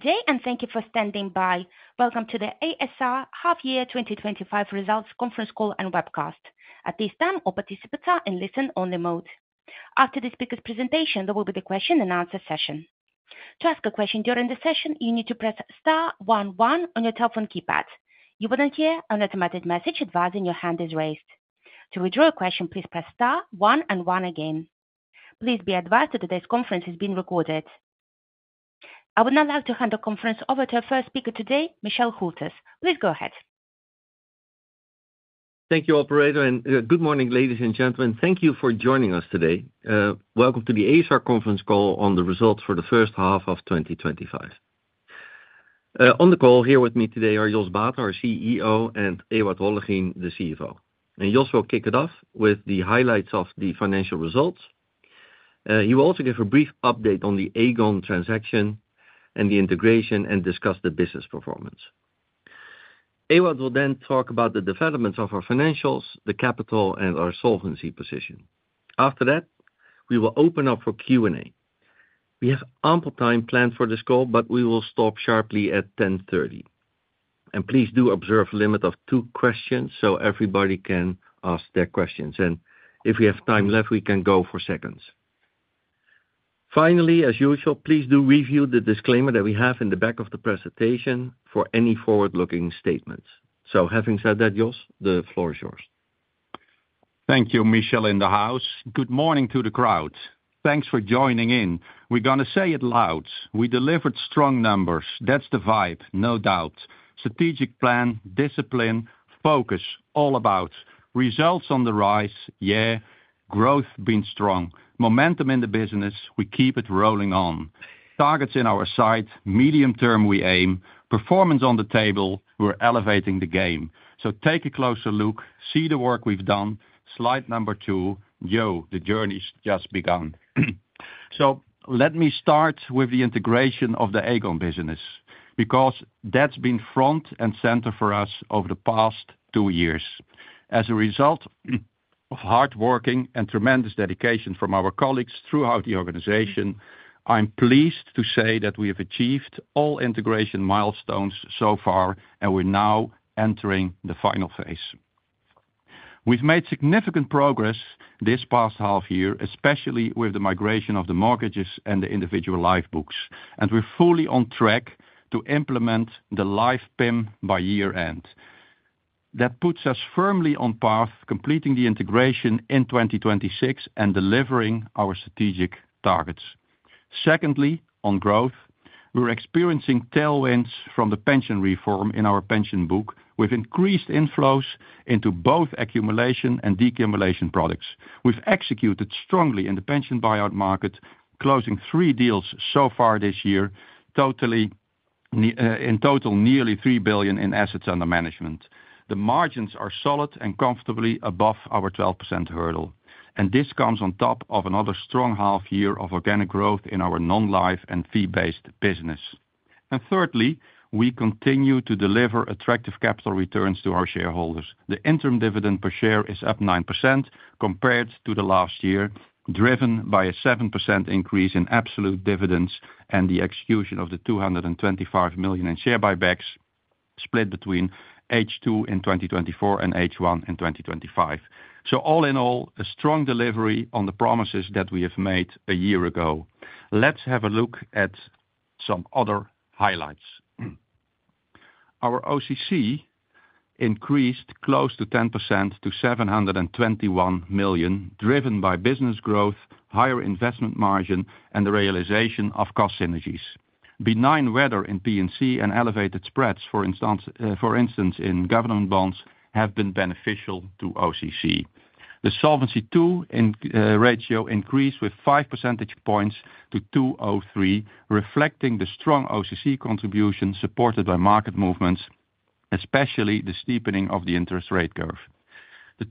Today, and thank you for standing by. Welcome to the ASR half-year 2025 results conference call and webcast. At this time, all participants are in listen-only mode. After the speaker's presentation, there will be the question-and-answer session. To ask a question during the session, you need to press star one one on your telephone keypad. You will then hear an automated message advising your hand is raised. To withdraw a question, please press star one and one again. Please be advised that today's conference is being recorded. I would now like to hand the conference over to our first speaker today, Michel Hülters. Please go ahead. Thank you, operator, and good morning, ladies and gentlemen. Thank you for joining us today. Welcome to the ASR conference call on the results for the first half of 2025. On the call here with me today are Jos Baeten, our CEO, and Ewout Hollegien, the CFO. Jos will kick it off with the highlights of the financial results. He will also give a brief update on the Aegon transaction and the integration and discuss the business performance. Ewout will then talk about the developments of our financials, the capital, and our solvency position. After that, we will open up for Q&A. We have ample time planned for this call, but we will stop sharply at 10:30. Please do observe a limit of two questions so everybody can ask their questions. If we have time left, we can go for seconds. Finally, as usual, please do review the disclaimer that we have in the back of the presentation for any forward-looking statements. Having said that, Jos, the floor is yours. Thank you, Michel and the house. Good morning to the crowd. Thanks for joining in. We're going to say it loud. We delivered strong numbers. That's the vibe, no doubt. Strategic plan, discipline, focus, all about. Results on the rise, yeah, growth been strong. Momentum in the business, we keep it rolling on. Targets in our sight, medium-term we aim, performance on the table, we're elevating the game. Take a closer look, see the work we've done, slide number two. Yo, the journey's just begun. Let me start with the integration of the Aegon business because that's been front and center for us over the past two years. As a result of hard work and tremendous dedication from our colleagues throughout the organization, I'm pleased to say that we have achieved all integration milestones so far, and we're now entering the final phase. We've made significant progress this past half year, especially with the migration of the mortgages and the individual life books. We're fully on track to implement the life PIM by year-end. That puts us firmly on path to completing the integration in 2026 and delivering our strategic targets. Secondly, on growth, we're experiencing tailwinds from the pension reform in our pension book with increased inflows into both accumulation and decumulation products. We've executed strongly in the pension buyout market, closing three deals so far this year, in total nearly €3 billion in assets under management. The margins are solid and comfortably above our 12% hurdle. This comes on top of another strong half year of organic growth in our non-life and fee-based business. Thirdly, we continue to deliver attractive capital returns to our shareholders. The interim dividend per share is up 9% compared to last year, driven by a 7% increase in absolute dividends and the execution of the 225 million in share buybacks split between H2 in 2024 and H1 in 2025. All in all, a strong delivery on the promises that we have made a year ago. Let's have a look at some other highlights. Our OCC increased close to 10% to 721 million, driven by business growth, higher investment margin, and the realization of cost synergies. Benign weather in P&C and elevated spreads, for instance, in government bonds, have been beneficial to OCC. The Solvency II ratio increased by 5 percentage points to 203%, reflecting the strong OCC contribution supported by market movements, especially the steepening of the interest rate curve. The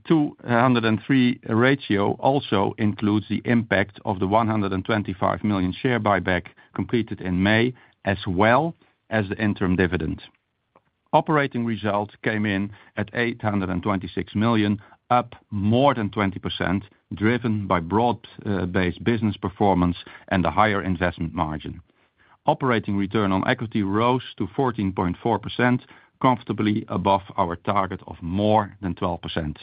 203% ratio also includes the impact of the 125 million share buyback completed in May, as well as the interim dividend. Operating results came in at 826 million, up more than 20%, driven by broad-based business performance and a higher investment margin. Operating return on equity rose to 14.4%, comfortably above our target of more than 12%.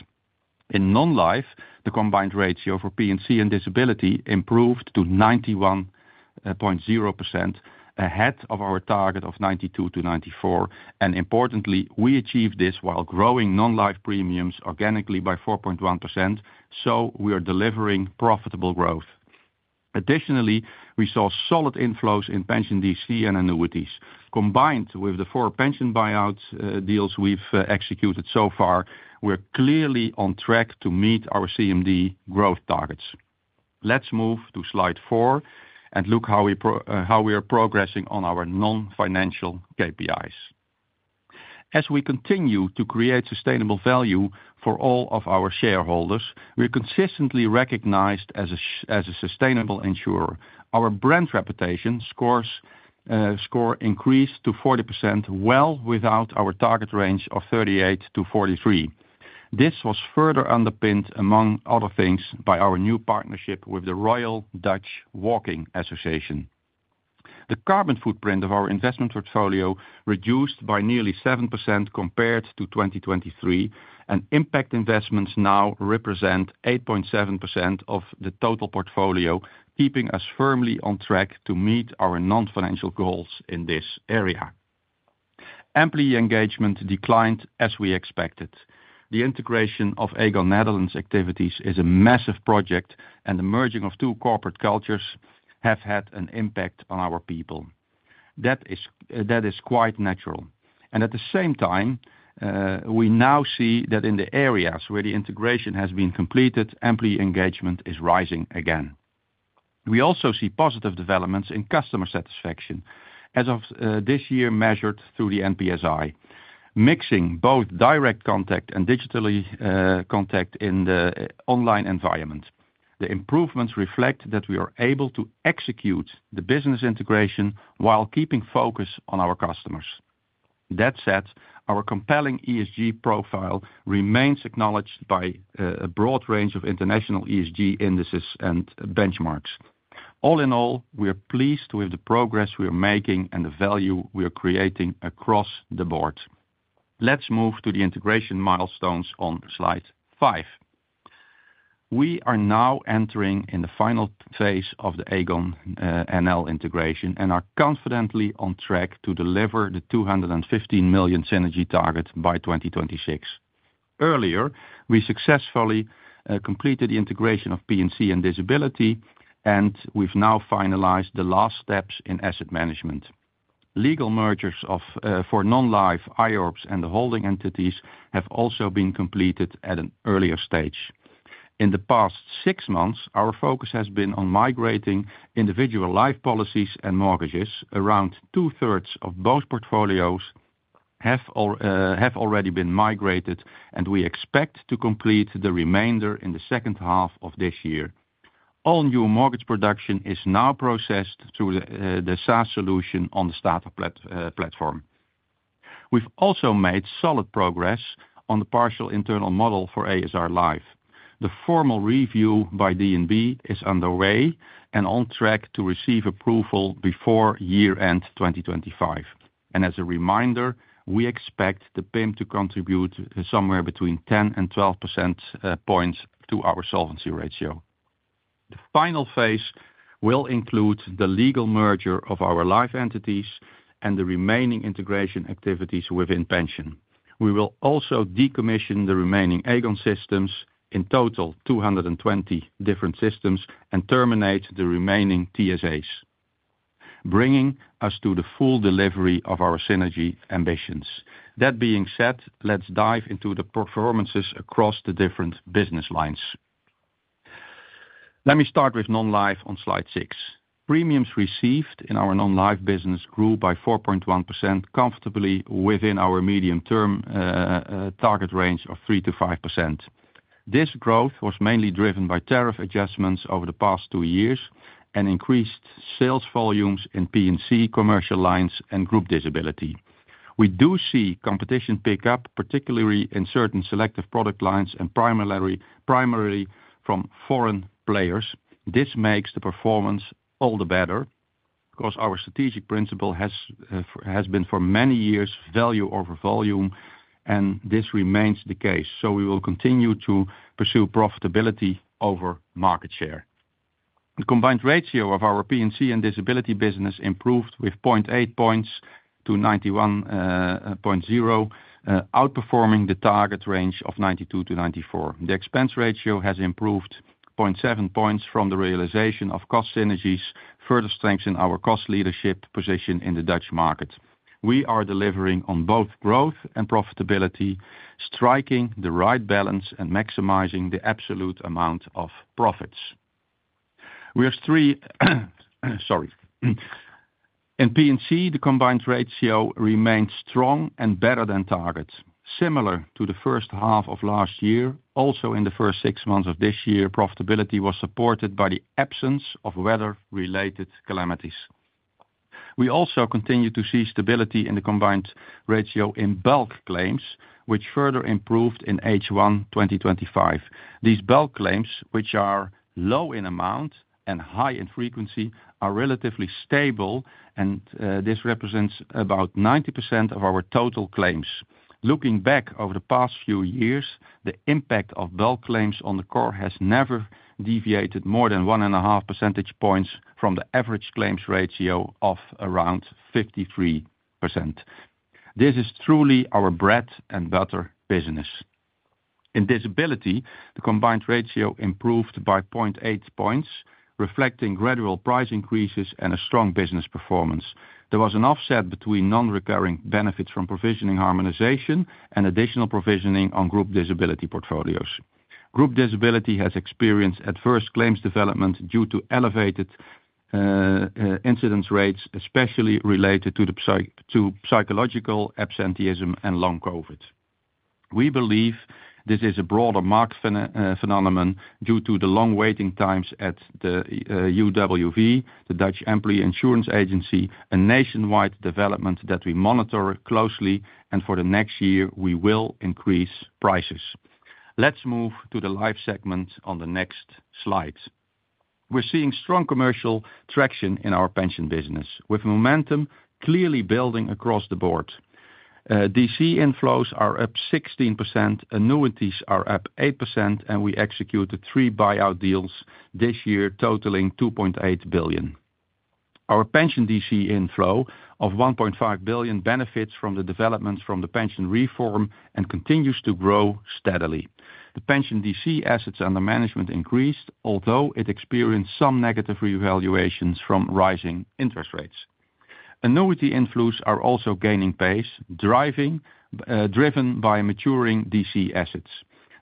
In non-life, the combined ratio for P&C and disability improved to 91.0%, ahead of our target of 92%-94%. Importantly, we achieved this while growing non-life premiums organically by 4.1%, so we are delivering profitable growth. Additionally, we saw solid inflows in Pension DC and annuities. Combined with the four pension buyout deals we've executed so far, we're clearly on track to meet our CMD growth targets. Let's move to slide four and look at how we are progressing on our non-financial KPIs. As we continue to create sustainable value for all of our shareholders, we're consistently recognized as a sustainable insurer. Our brand reputation score increased to 40%, well within our target range of 38%-43%. This was further underpinned, among other things, by our new partnership with the Royal Dutch Walking Association. The carbon footprint of our investment portfolio reduced by nearly 7% compared to 2023, and impact investments now represent 8.7% of the total portfolio, keeping us firmly on track to meet our non-financial goals in this area. Employee engagement declined as we expected. The integration of Aegon activities is a massive project, and the merging of two corporate cultures has had an impact on our people. That is quite natural. At the same time, we now see that in the areas where the integration has been completed, employee engagement is rising again. We also see positive developments in customer satisfaction, as of this year measured through the NPSI, mixing both direct contact and digital contact in the online environment. The improvements reflect that we are able to execute the business integration while keeping focus on our customers. That said, our compelling ESG profile remains acknowledged by a broad range of international ESG indices and benchmarks. All in all, we are pleased with the progress we are making and the value we are creating across the board. Let's move to the integration milestones on slide five. We are now entering the final phase of the Aegon integration and are confidently on track to deliver the 215 million synergy target by 2026. Earlier, we successfully completed the integration of P&C and disability, and we've now finalized the last steps in asset management. Legal mergers for non-life IORs and the holding entities have also been completed at an earlier stage. In the past six months, our focus has been on migrating individual life policies and mortgages. Around two-thirds of both portfolios have already been migrated, and we expect to complete the remainder in the second half of this year. All new mortgage production is now processed through the SaaS solution on the startup platform. We've also made solid progress on the partial internal model for ASR Life. The formal review by D&B is underway and on track to receive approval before year-end 2025. As a reminder, we expect the PIM to contribute somewhere between 10% and 12% points to our solvency ratio. The final phase will include the legal merger of our life entities and the remaining integration activities within pension. We will also decommission the remaining Aegon systems, in total 220 different systems, and terminate the remaining TSAs, bringing us to the full delivery of our synergy ambitions. That being said, let's dive into the performances across the different business lines. Let me start with non-life on slide six. Premiums received in our non-life business grew by 4.1%, comfortably within our medium-term target range of 3%-o 5%. This growth was mainly driven by tariff adjustments over the past two years and increased sales volumes in P&C commercial lines and group disability. We do see competition pick up, particularly in certain selective product lines and primarily from foreign players. This makes the performance all the better because our strategic principle has been for many years value over volume, and this remains the case. We will continue to pursue profitability over market share. The combined ratio of our P&C and disability business improved with 0.8 points to 91.0, outperforming the target range of 92 to 94. The expense ratio has improved 0.7 points from the realization of cost synergies, further strengthening our cost leadership position in the Dutch market. We are delivering on both growth and profitability, striking the right balance and maximizing the absolute amount of profits. In P&C, the combined ratio remains strong and better than target, similar to the first half of last year. Also, in the first six months of this year, profitability was supported by the absence of weather-related calamities. We also continue to see stability in the combined ratio in bulk claims, which further improved in H1 2025. These bulk claims, which are low in amount and high in frequency, are relatively stable, and this represents about 90% of our total claims. Looking back over the past few years, the impact of bulk claims on the core has never deviated more than 1.5 percentage points from the average claims ratio of around 53%. This is truly our bread and butter business. In disability, the combined ratio improved by 0.8 points, reflecting gradual price increases and a strong business performance. There was an offset between non-repairing benefits from provisioning harmonization and additional provisioning on group disability portfolios. Group disability has experienced adverse claims development due to elevated incidence rates, especially related to psychological absenteeism and long COVID. We believe this is a broader market phenomenon due to the long waiting times at the UWV, the Dutch Employee Insurance Agency, and nationwide development that we monitor closely. For the next year, we will increase prices. Let's move to the life segment on the next slide. We're seeing strong commercial traction in our pension business, with momentum clearly building across the board. DC inflows are up 16%, annuities are up 8%, and we executed three buyout deals this year, totaling 2.8 billion. Our PensionDC inflow of 1.5 billion benefits from the developments from the pension reform and continues to grow steadily. The Pension DC assets under management increased, although it experienced some negative revaluations from rising interest rates. Annuity inflows are also gaining pace, driven by maturing DC assets.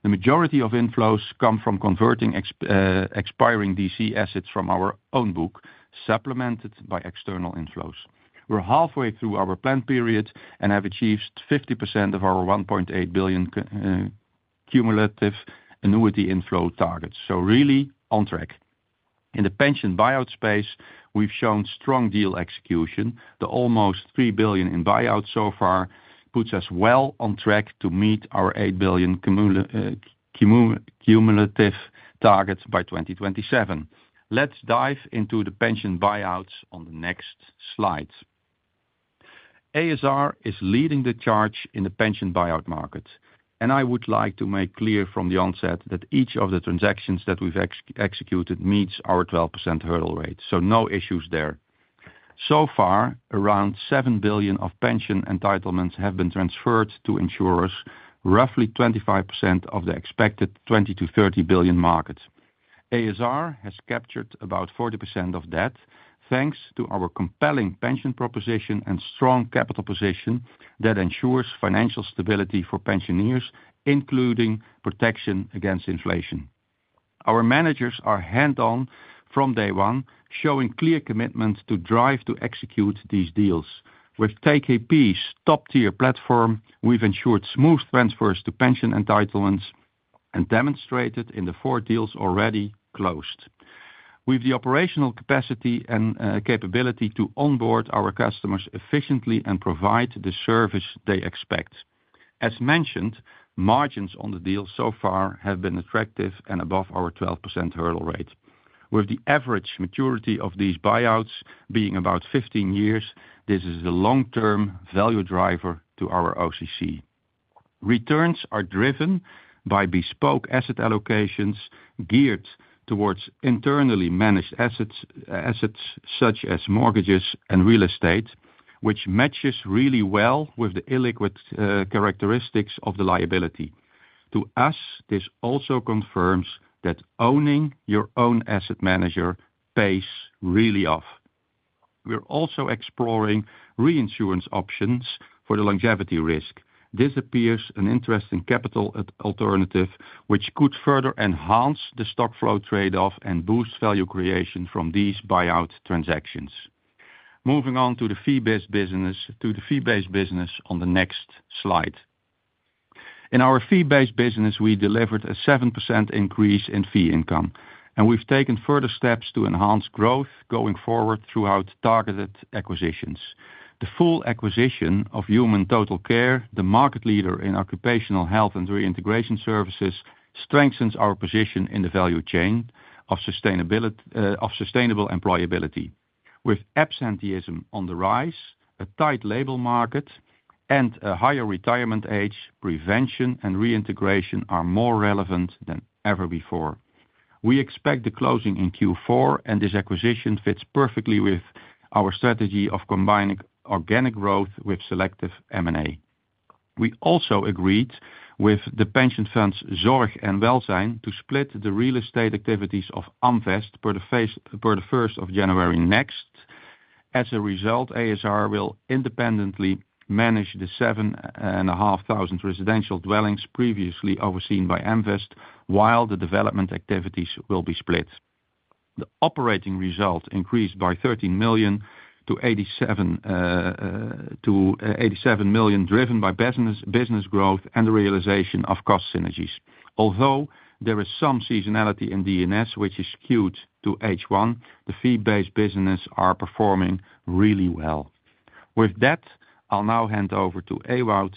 The majority of inflows come from converting expiring DC assets from our own book, supplemented by external inflows. We're halfway through our planned period and have achieved 50% of our 1.8 billion cumulative annuity inflow targets. Really on track. In the pension buyout space, we've shown strong deal execution. The almost 3 billion in buyouts so far puts us well on track to meet our 8 billion cumulative targets by 2027. Let's dive into the pension buyouts on the next slide. ASR is leading the charge in the pension buyout market. I would like to make clear from the onset that each of the transactions that we've executed meets our 12% hurdle rate. No issues there. So far, around 7 billion of pension entitlements have been transferred to insurers, roughly 25% of the expected 20 million-30 billion market. ASR has captured about 40% of that, thanks to our compelling pension proposition and strong capital position that ensures financial stability for pensioners, including protection against inflation. Our managers are hands-on from day one, showing clear commitment to drive to execute these deals. With KKP's top-tier platform, we've ensured smooth transfers to pension entitlements and demonstrated in the four deals already closed. We have the operational capacity and capability to onboard our customers efficiently and provide the service they expect. As mentioned, margins on the deals so far have been attractive and above our 12% hurdle rate. With the average maturity of these buyouts being about 15 years, this is the long-term value driver to our OCC. Returns are driven by bespoke asset allocations geared towards internally managed assets such as mortgages and real estate, which matches really well with the illiquid characteristics of the liability. To us, this also confirms that owning your own asset manager really pays off. We're also exploring reinsurance options for the longevity risk. This appears an interesting capital alternative, which could further enhance the stock flow trade-off and boost value creation from these buyout transactions. Moving on to the fee-based business on the next slide. In our fee-based business, we delivered a 7% increase in fee income. We've taken further steps to enhance growth going forward through targeted acquisitions. The full acquisition of Human Total Care, the market leader in occupational health and reintegration services, strengthens our position in the value chain of sustainable employability. With absenteeism on the rise, a tight labor market, and a higher retirement age, prevention and reintegration are more relevant than ever before. We expect the closing in Q4, and this acquisition fits perfectly with our strategy of combining organic growth with selective M&A. We also agreed with the pension funds Zorg en Welzijn to split the real estate activities of Amvest per the 1st of January next. As a result, ASR will independently manage the 7,500 residential dwellings previously overseen by Amvest, while the development activities will be split. The operating result increased by 30 million to 87 million, driven by business growth and the realization of cost synergies. Although there is some seasonality in DNS, which is skewed to H1, the fee-based businesses are performing really well. With that, I'll now hand over to Ewout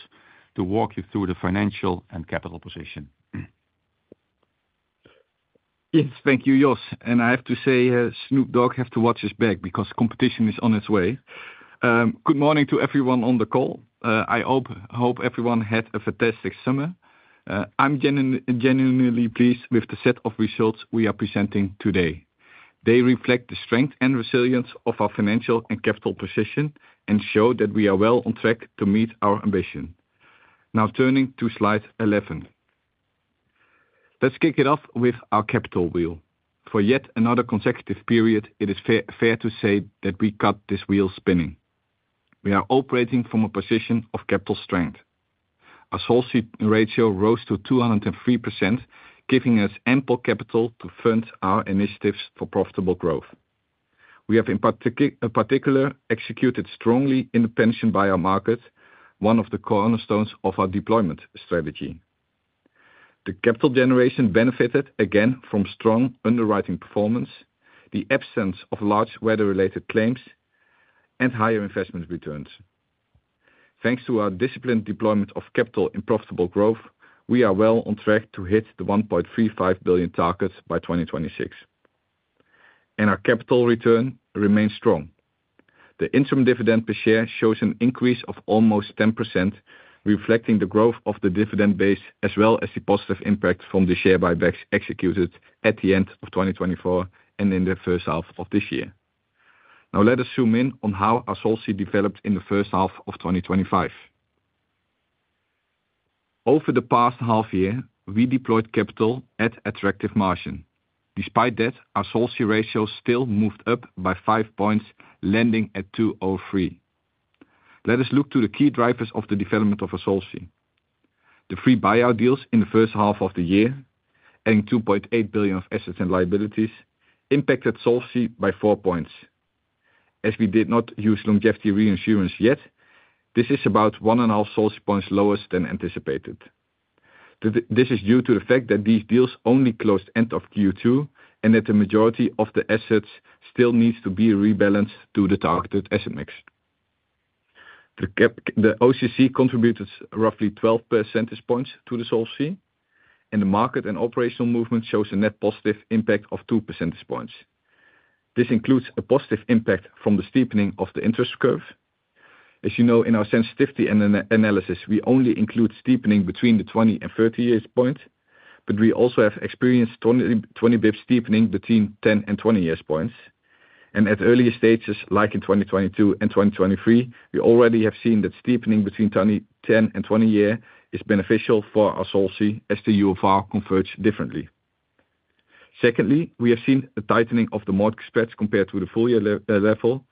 to walk you through the financial and capital position. Yes, thank you, Jos. I have to say, Snoop Dogg has to watch his back because competition is on its way. Good morning to everyone on the call. I hope everyone had a fantastic summer. I'm genuinely pleased with the set of results we are presenting today. They reflect the strength and resilience of our financial and capital position and show that we are well on track to meet our ambition. Now turning to slide 11. Let's kick it off with our capital wheel. For yet another consecutive period, it is fair to say that we kept this wheel spinning. We are operating from a position of capital strength. Our Solvency ratio rose to 203%, giving us ample capital to fund our initiatives for profitable growth. We have, in particular, executed strongly in the pension buyout market, one of the cornerstones of our deployment strategy. The capital generation benefited again from strong underwriting performance, the absence of large weather-related claims, and higher investment returns. Thanks to our disciplined deployment of capital in profitable growth, we are well on track to hit the 1.35 billion target by 2026. Our capital return remains strong. The interim dividend per share shows an increase of almost 10%, reflecting the growth of the dividend base as well as the positive impact from the share buybacks executed at the end of 2024 and in the first half of this year. Now let us zoom in on how our solvency developed in the first half of 2025. Over the past half year, we deployed capital at attractive margin. Despite that, our Solvency ratio still moved up by five points, landing at 203%. Let us look to the key drivers of the development of our solvency. The three buyout deals in the first half of the year, adding 2.8 billion of assets and liabilities, impacted solvency by four points. As we did not use longevity reinsurance yet, this is about one and a half solvency points lower than anticipated. This is due to the fact that these deals only closed end of Q2 and that the majority of the assets still need to be rebalanced to the targeted asset mix. The OCC contributed roughly 12 percentage points to the solvency, and the market and operational movement shows a net positive impact of two percentage points. This includes a positive impact from the steepening of the interest curve. As you know, in our sensitivity analysis, we only include steepening between the 20 and 30 years point, but we also have experienced 20 bps steepening between 10 and 20 years points. At earlier stages, like in 2022 and 2023, we already have seen that steepening between 10 and 20 years is beneficial for our solvency as the UofR converts differently. Secondly, we have seen a tightening of the mortgage spreads compared to the full year level,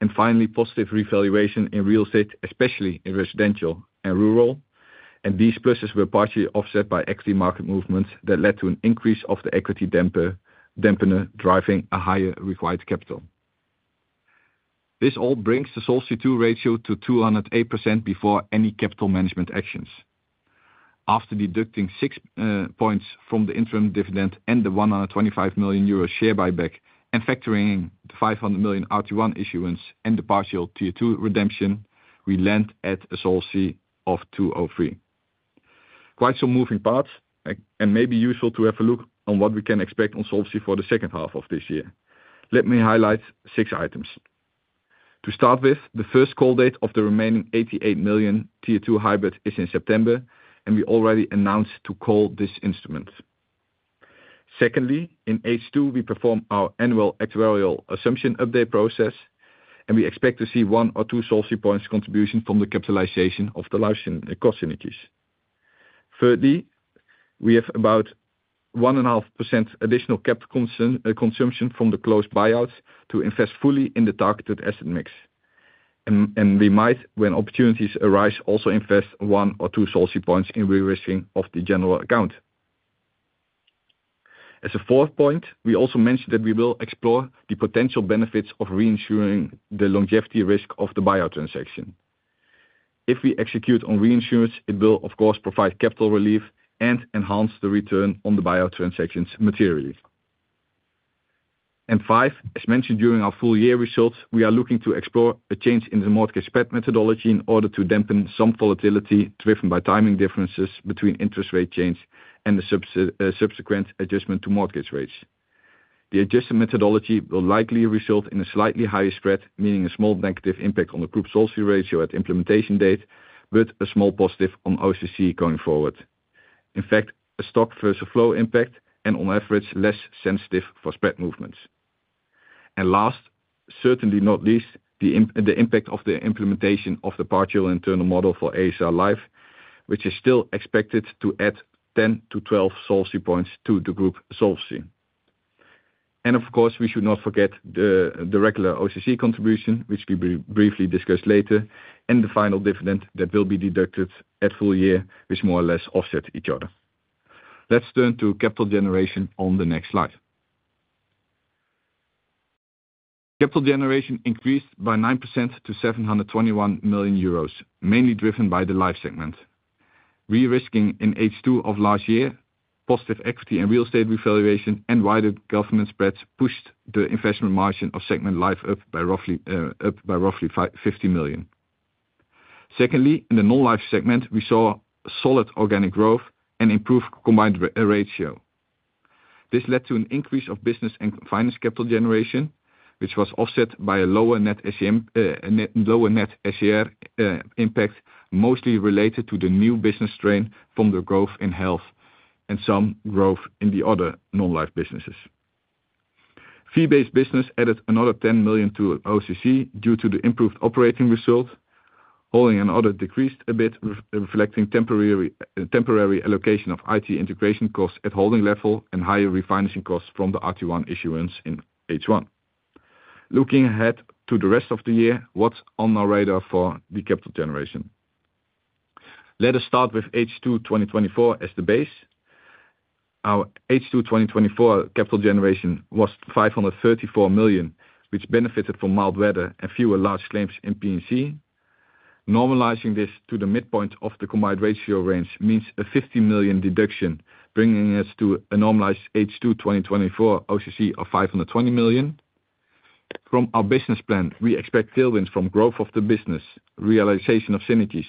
and finally, positive revaluation in real estate, especially in residential and rural. These pluses were partially offset by equity market movements that led to an increase of the equity dampener, driving a higher required capital. This all brings the solvency ratio to 208% before any capital management actions. After deducting six points from the interim dividend and the 125 million euro share buyback and factoring in the 500 million RT1 issuance and the partial tier 2 redemption, we land at a solvency of 203%. Quite some moving parts, and maybe useful to have a look at what we can expect on solvency for the second half of this year. Let me highlight six items. To start with, the first call date of the remaining 88 million tier 2 hybrid is in September, and we already announced to call this instrument. Secondly, in H2, we perform our annual actuarial assumption update process, and we expect to see one or two solvency points contribution from the capitalization of the life cost synergies. Thirdly, we have about 1.5% additional capital consumption from the closed buyouts to invest fully in the targeted asset mix. We might, when opportunities arise, also invest one or two solvency points in re-risking of the general account. As a fourth point, we also mentioned that we will explore the potential benefits of reinsuring the longevity risk of the buyout transaction. If we execute on reinsurance, it will, of course, provide capital relief and enhance the return on the buyout transactions materially. Fifth, as mentioned during our full year results, we are looking to explore a change in the mortgage spread methodology in order to dampen some volatility driven by timing differences between interest rate change and the subsequent adjustment to mortgage rates. The adjusted methodology will likely result in a slightly higher spread, meaning a small negative impact on the group solvency ratio at implementation date, but a small positive on OCC going forward. In fact, a stock versus flow impact, and on average, less sensitive for spread movements. Last, certainly not least, the impact of the implementation of the partial internal model for ASR Life, which is still expected to add 10-12 solvency points to the group solvency. Of course, we should not forget the regular OCC contribution, which we briefly discussed later, and the final dividend that will be deducted at full year, which more or less offset each other. Let's turn to capital generation on the next slide. Capital generation increased by 9% to 721 million euros, mainly driven by the life segment. Re-risking in H2 of last year, positive equity and real estate revaluation, and wider government spreads pushed the investment margin of segment life up by roughly 50 million. Secondly, in the non-life segment, we saw solid organic growth and improved combined ratio. This led to an increase of business and finance capital generation, which was offset by a lower net impact, mostly related to the new business strain from the growth in health and some growth in the other non-life businesses. Fee-based business added another 10 million to OCC due to the improved operating result. Holding and other decreased a bit, reflecting temporary allocation of IT integration costs at holding level and higher refinancing costs from the RT1 issuance in H1. Looking ahead to the rest of the year, what's on our radar for the capital generation? Let us start with H2 2024 as the base. Our H2 2024 capital generation was 534 million, which benefited from mild weather and fewer large claims in P&C. Normalizing this to the midpoint of the combined ratio range means a 50 million deduction, bringing us to a normalized H2 2024 OCC of 520 million. From our business plan, we expect tailwinds from growth of the business, realization of synergies,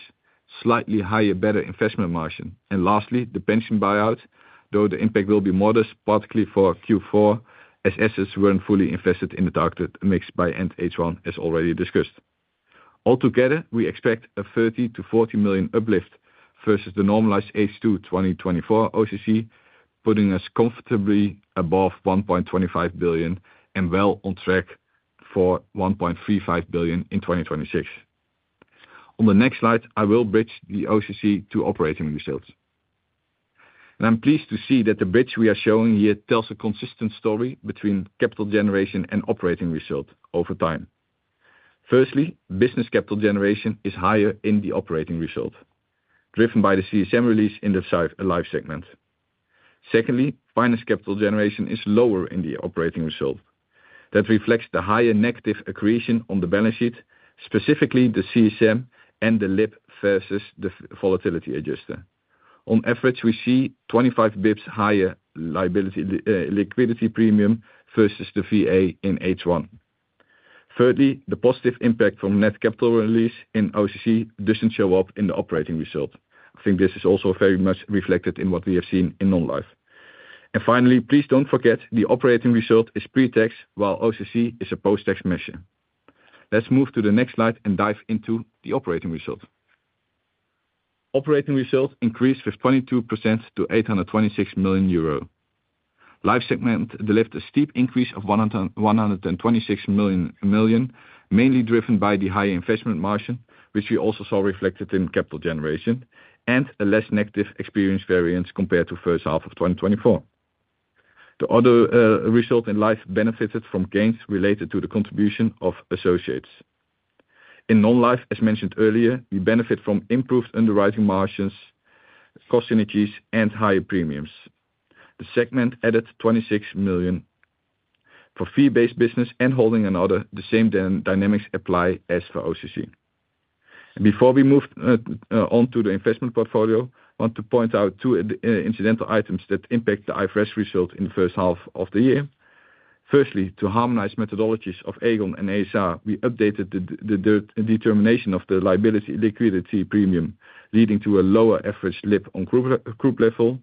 slightly higher better investment margin, and lastly, the pension buyout, though the impact will be modest, particularly for Q4, as assets weren't fully invested in the targeted mix by end H1, as already discussed. Altogether, we expect a 30 million-40 million uplift versus the normalized H2 2024 OCC, putting us comfortably above 1.25 billion and well on track for 1.35 billion in 2026. On the next slide, I will bridge the OCC to operating results. I'm pleased to see that the bridge we are showing here tells a consistent story between capital generation and operating result over time. Firstly, business capital generation is higher in the operating result, driven by the CSM release in the life segment. Secondly, finance capital generation is lower in the operating result. That reflects the higher negative accretion on the balance sheet, specifically the CSM and the LIP versus the volatility adjuster. On average, we see 25 bps higher liability liquidity premium versus the VA in H1. Thirdly, the positive impact from net capital release in OCC doesn't show up in the operating result. I think this is also very much reflected in what we have seen in non-life. Finally, please don't forget the operating result is pre-tax while OCC is a post-tax measure. Let's move to the next slide and dive into the operating result. Operating result increased with 22% to 826 million euro. Life segment delivered a steep increase of 126 million, mainly driven by the higher investment margin, which we also saw reflected in capital generation, and a less negative experience variance compared to the first half of 2024. The other result in life benefited from gains related to the contribution of associates. In non-life, as mentioned earlier, we benefit from improved underwriting margins, cost synergies, and higher premiums. The segment added 26 million. For fee-based business and holding and other, the same dynamics apply as for OCC. Before we move on to the investment portfolio, I want to point out two incidental items that impact the IFRS result in the first half of the year. Firstly, to harmonize methodologies of Aegon and ASR, we updated the determination of the liability liquidity premium, leading to a lower average LIP on group level.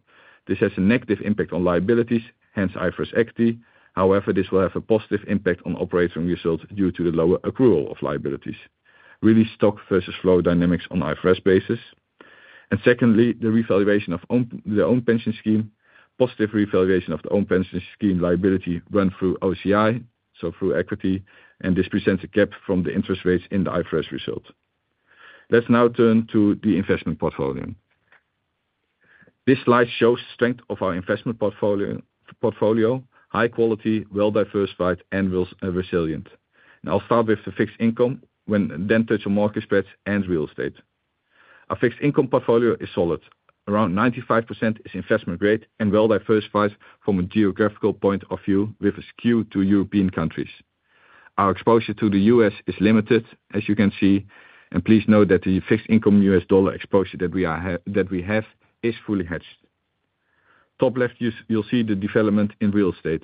This has a negative impact on liabilities, hence IFRS equity. However, this will have a positive impact on operating results due to the lower accrual of liabilities. Really stock versus flow dynamics on IFRS basis. Secondly, the revaluation of the own pension scheme. Positive revaluation of the own pension scheme liability run through OCI, so through equity, and this presents a gap from the interest rates in the IFRS result. Let's now turn to the investment portfolio. This slide shows the strength of our investment portfolio: high quality, well diversified, and resilient. I'll start with the fixed income, then touch on mortgage spreads and real estate. Our fixed income portfolio is solid. Around 95% is investment grade and well diversified from a geographical point of view with a skew to European countries. Our exposure to the U.S. is limited, as you can see, and please note that the fixed income US dollar exposure that we have is fully hedged. Top left, you'll see the development in real estate.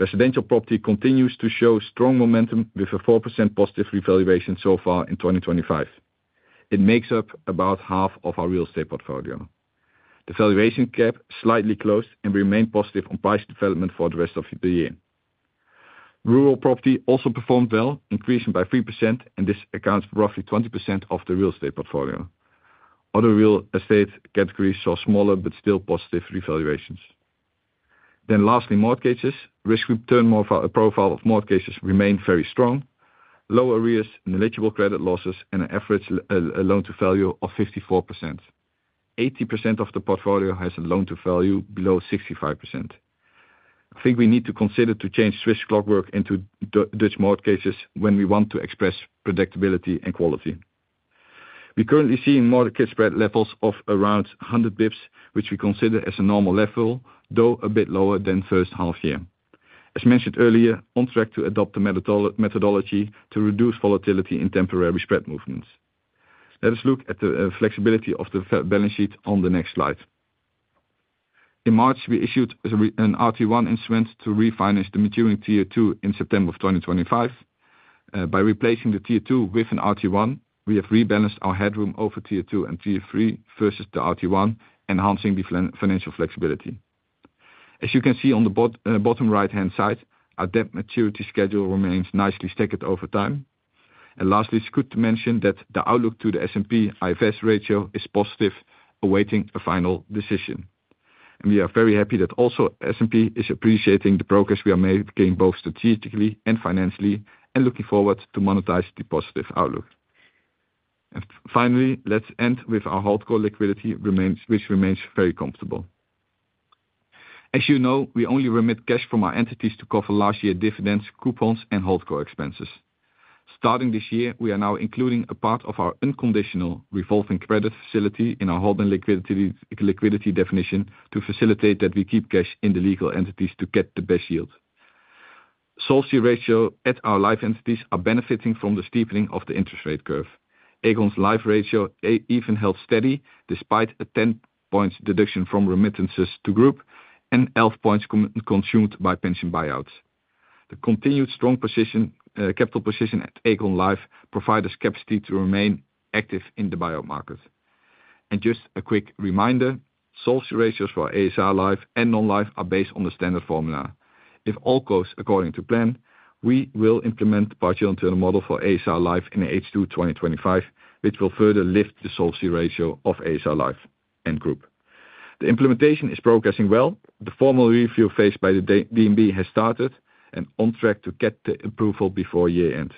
Residential property continues to show strong momentum with a 4% positive revaluation so far in 2025. It makes up about half of our real estate portfolio. The valuation gap slightly closed and remained positive on price development for the rest of the year. Rural property also performed well, increasing by 3%, and this accounts for roughly 20% of the real estate portfolio. Other real estate categories saw smaller but still positive revaluations. Lastly, mortgages. Risk return profile of mortgages remains very strong. Lower REERs, negligible credit losses, and an average loan-to-value of 54%. 80% of the portfolio has a loan-to-value below 65%. I think we need to consider to change Swiss clockwork into Dutch mortgages when we want to express predictability and quality. We currently see in mortgage spread levels of around 100 bps, which we consider as a normal level, though a bit lower than the first half year. As mentioned earlier, on track to adopt the methodology to reduce volatility in temporary spread movements. Let us look at the flexibility of the balance sheet on the next slide. In March, we issued an RT1 instrument to refinance the maturing tier 2 in September of 2025. By replacing the tier 2 with an RT1, we have rebalanced our headroom over tier 2 and tier 3 versus the RT1, enhancing the financial flexibility. As you can see on the bottom right-hand side, our debt maturity schedule remains nicely stacked over time. Lastly, it's good to mention that the outlook to the S&P IFS ratio is positive, awaiting a final decision. We are very happy that also S&P is appreciating the progress we are making both strategically and financially, and looking forward to monetize the positive outlook. Finally, let's end with our hold core liquidity, which remains very comfortable. As you know, we only remit cash from our entities to cover last year dividends, coupons, and hold core expenses. Starting this year, we are now including a part of our unconditional revolving credit facility in our holding liquidity definition to facilitate that we keep cash in the legal entities to get the best yield. Solvency ratio at our life entities are benefiting from the steepening of the interest rate curve. Aegon's Life ratio even held steady despite a 10% deduction from remittances to group and 11% consumed by pension buyouts. The continued strong capital position at Aegon Life provides us the capacity to remain active in the buyout market. Just a quick reminder, solvency ratios for ASR Life and non-life are based on the standard formula. If all goes according to plan, we will implement the partial internal model for ASR Life in H2 2025, which will further lift the solvency ratio of ASR Life and group. The implementation is progressing well. The formal review phase by the DNB has started and is on track to get the approval before year end.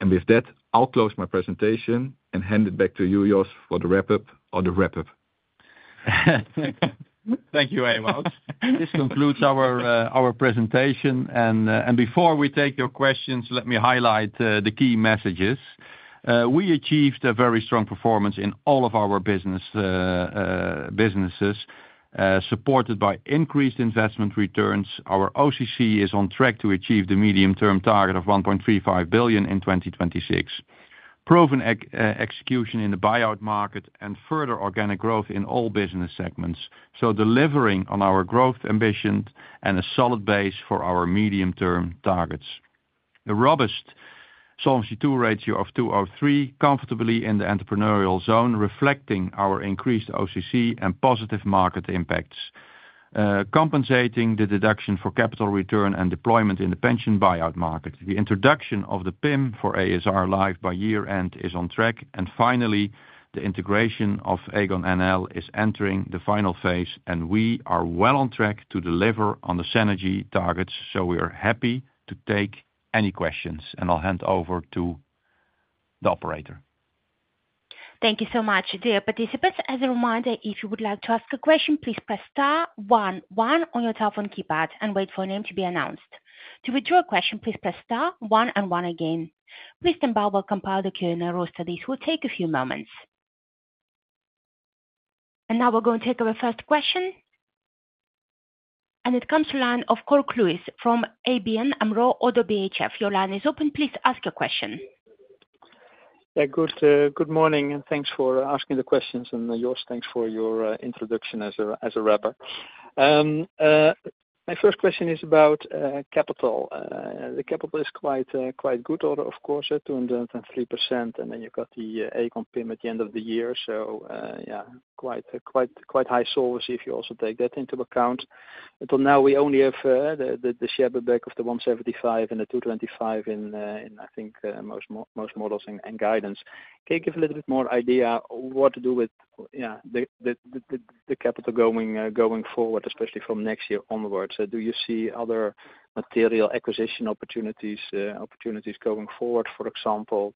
With that, I'll close my presentation and hand it back to you, Jos, for the wrap-up. Thank you, Ewout. This concludes our presentation. Before we take your questions, let me highlight the key messages. We achieved a very strong performance in all of our businesses, supported by increased investment returns. Our OCC is on track to achieve the medium-term target of 1.35 billion in 2026. Proven execution in the buyout market and further organic growth in all business segments, delivering on our growth ambitions and a solid base for our medium-term targets. A robust Solvency II ratio of 203%, comfortably in the entrepreneurial zone, reflecting our increased OCC and positive market impacts, compensating the deduction for capital return and deployment in the pension buyout market. The introduction of the PIM for ASR Life by year end is on track. Finally, the integration of Aegon NL is entering the final phase, and we are well on track to deliver on the synergy targets. We are happy to take any questions, and I'll hand over to the operator. Thank you so much, dear participants. As a reminder, if you would like to ask a question, please press star one one on your telephone keypad and wait for a name to be announced. To withdraw a question, please press star one and one again. Riester and Barber compiled the Q&A rosters. This will take a few moments. Now we're going to take our first question. It comes to the line of Cor Kluis from ABN ODDO BHF. Your line is open. Please ask your question. Yeah, good morning and thanks for asking the questions. Jos, thanks for your introduction as a rapper. My first question is about capital. The capital is quite good, of course, at 203%. Then you've got the Aegon PIM at the end of the year. Quite high solvency if you also take that into account. Until now, we only have the share buyback of the 175 and the 225 in, I think, most models and guidance. Can you give a little bit more idea of what to do with the capital going forward, especially from next year onwards? Do you see other material acquisition opportunities going forward, for example,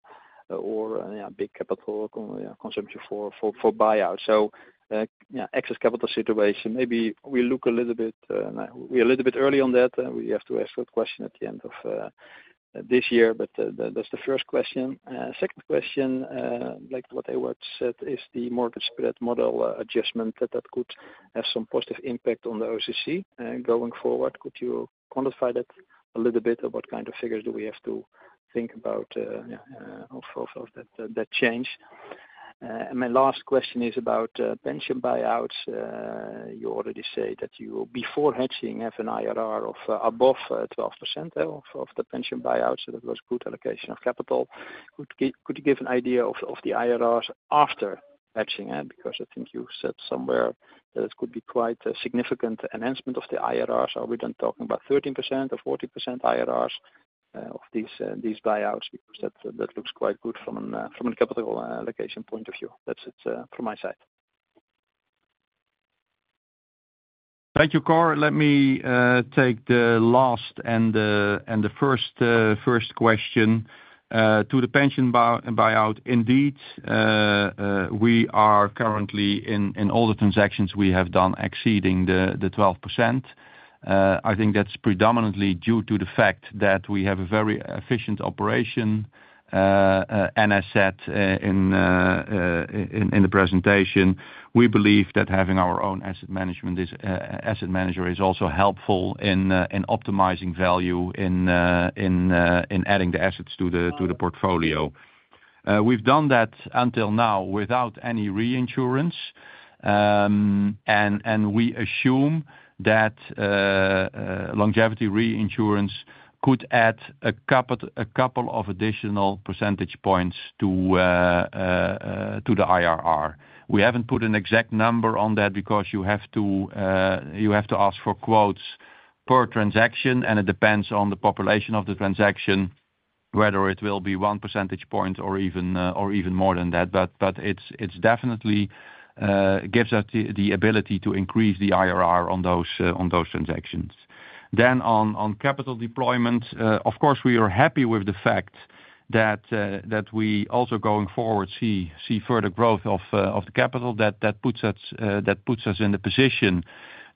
or big capital consumption for buyouts? Excess capital situation, maybe we look a little bit, we're a little bit early on that. We have to ask that question at the end of this year, but that's the first question. Second question, like what Ewout said, is the mortgage spread model adjustment that could have some positive impact on the OCC going forward. Could you quantify that a little bit? What kind of figures do we have to think about for that change? My last question is about pension buyouts. You already said that you, before hedging, have an IRR of above 12% of the pension buyouts. That was a good allocation of capital. Could you give an idea of the IRRs after hedging? I think you said somewhere that it could be quite a significant enhancement of the IRRs. Are we then talking about 13% or 14% IRRs of these buyouts? That looks quite good from a capital allocation point of view. That's it from my side. Thank you, Cor. Let me take the last and the first question. To the pension buyout, indeed, we are currently in all the transactions we have done exceeding the 12%. I think that's predominantly due to the fact that we have a very efficient operation. As I said in the presentation, we believe that having our own asset management is also helpful in optimizing value in adding the assets to the portfolio. We've done that until now without any reinsurance. We assume that longevity reinsurance could add a couple of additional percentage points to the IRR. We haven't put an exact number on that because you have to ask for quotes per transaction, and it depends on the population of the transaction, whether it will be one percentage point or even more than that. It definitely gives us the ability to increase the IRR on those transactions. On capital deployment, of course, we are happy with the fact that we also, going forward, see further growth of the capital. That puts us in the position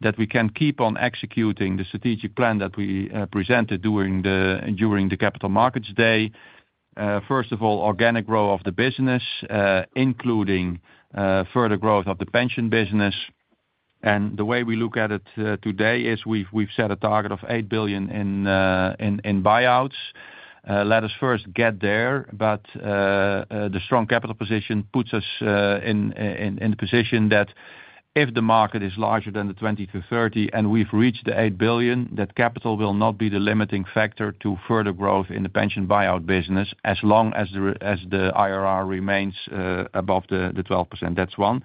that we can keep on executing the strategic plan that we presented during the capital markets day. First of all, organic growth of the business, including further growth of the pension business. The way we look at it today is we've set a target of 8 billion in buyouts. Let us first get there, but the strong capital position puts us in the position that if the market is larger than the 20 billion-30 billion and we've reached the 8 billion, that capital will not be the limiting factor to further growth in the pension buyout business as long as the IRR remains above the 12%. That's one.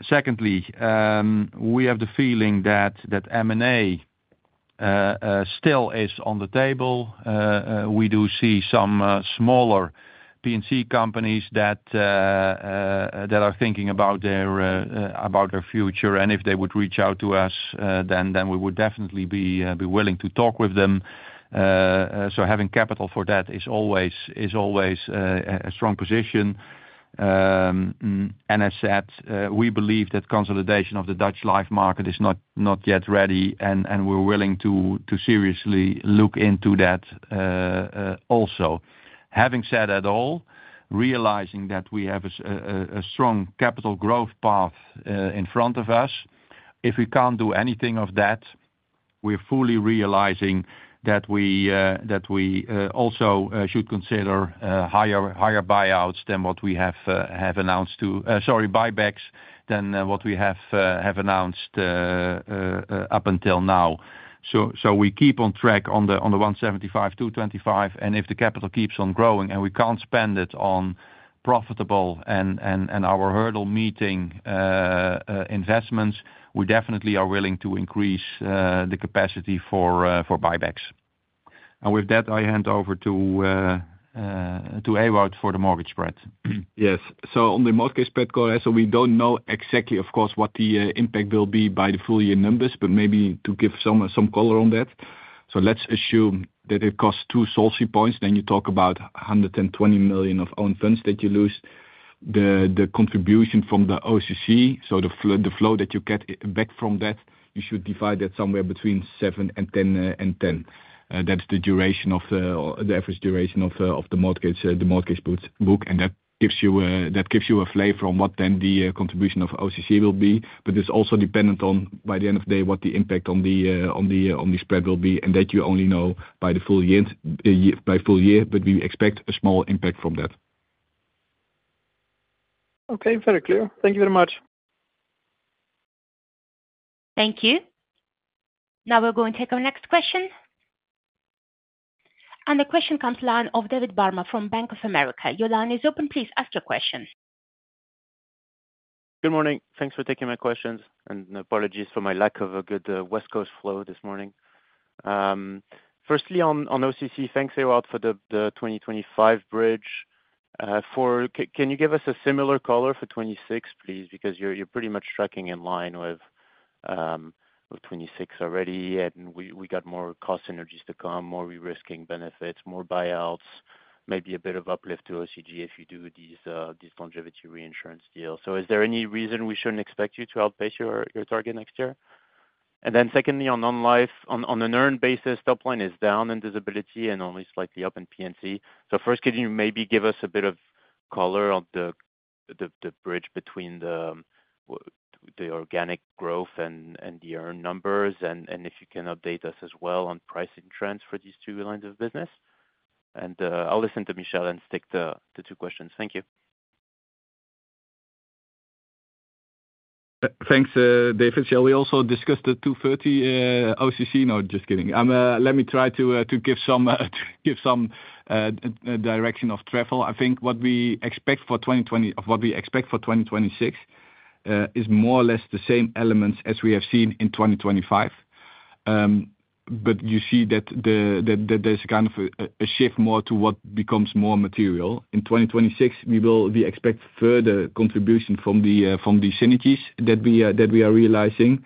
We have the feeling that M&A still is on the table. We do see some smaller P&C companies that are thinking about their future. If they would reach out to us, then we would definitely be willing to talk with them. Having capital for that is always a strong position. As I said, we believe that consolidation of the Dutch life market is not yet ready, and we're willing to seriously look into that also. Having said that all, realizing that we have a strong capital growth path in front of us, if we can't do anything of that, we're fully realizing that we also should consider higher buybacks than what we have announced up until now. We keep on track on the 175 million-225 million. If the capital keeps on growing and we can't spend it on profitable and our hurdle meeting investments, we definitely are willing to increase the capacity for buybacks. With that, I hand over to Ewout for the mortgage spread. Yes. On the mortgage spread call, we don't know exactly, of course, what the impact will be by the full year numbers, but maybe to give some color on that. Let's assume that it costs 2 solvency points. Then you talk about 120 million of own funds that you lose. The contribution from the OCC, so the flow that you get back from that, you should divide that somewhere between seven and 10. That's the average duration of the mortgage book, and that gives you a flavor on what the contribution of OCC will be. It's also dependent on, by the end of the day, what the impact on the spread will be. You only know by the full year, but we expect a small impact from that. Okay, very clear. Thank you very much. Thank you. Now we're going to take our next question. The question comes to the line of David Barma from Bank of America. Your line is open. Please ask your question. Good morning. Thanks for taking my questions and apologies for my lack of a good West Coast flow this morning. Firstly, on OCC, thanks Ewout for the 2025 bridge. Can you give us a similar color for 2026, please, because you're pretty much tracking in line with 2026 already. We got more cost synergies to come, more re-risking benefits, more buyouts, maybe a bit of uplift to OCC if you do these longevity reinsurance deals. Is there any reason we shouldn't expect you to outpace your target next year? Secondly, on non-life, on an earned basis, top line is down in disability and only slightly up in P&C. First, can you maybe give us a bit of color on the bridge between the organic growth and the earned numbers? If you can update us as well on pricing trends for these two lines of business. I'll listen to Michel and stick to the two questions. Thank you. Thanks, David. Shall we also discuss the 230 OCC? No, just kidding. Let me try to give some direction of travel. I think what we expect for 2026 is more or less the same elements as we have seen in 2025, but you see that there's a kind of a shift more to what becomes more material. In 2026, we will expect further contribution from the synergies that we are realizing,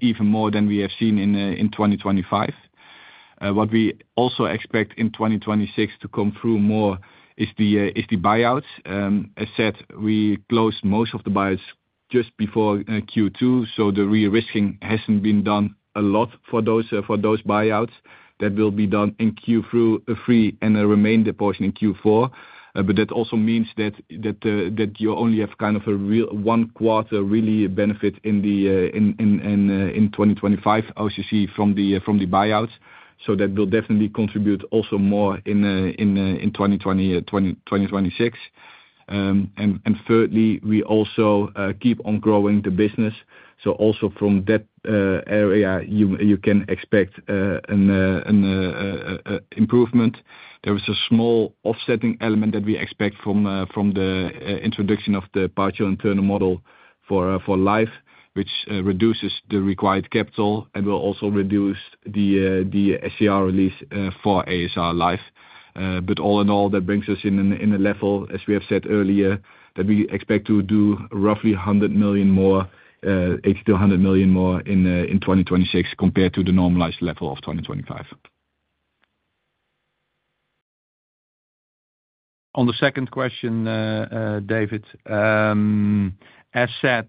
even more than we have seen in 2025. What we also expect in 2026 to come through more is the buyouts. As I said, we closed most of the buyouts just before Q2. The re-risking hasn't been done a lot for those buyouts. That will be done in Q3 and remain the portion in Q4. That also means that you only have kind of a real one-quarter really benefit in 2025 OCC from the buyouts. That will definitely contribute also more in 2026. Thirdly, we also keep on growing the business, so also from that area, you can expect an improvement. There was a small offsetting element that we expect from the introduction of the partial internal model for life, which reduces the required capital and will also reduce the SCR release for ASR Life. All in all, that brings us in a level, as we have said earlier, that we expect to do roughly 100 million more, 80 million-100 million more in 2026 compared to the normalized level of 2025. On the second question, David, as said,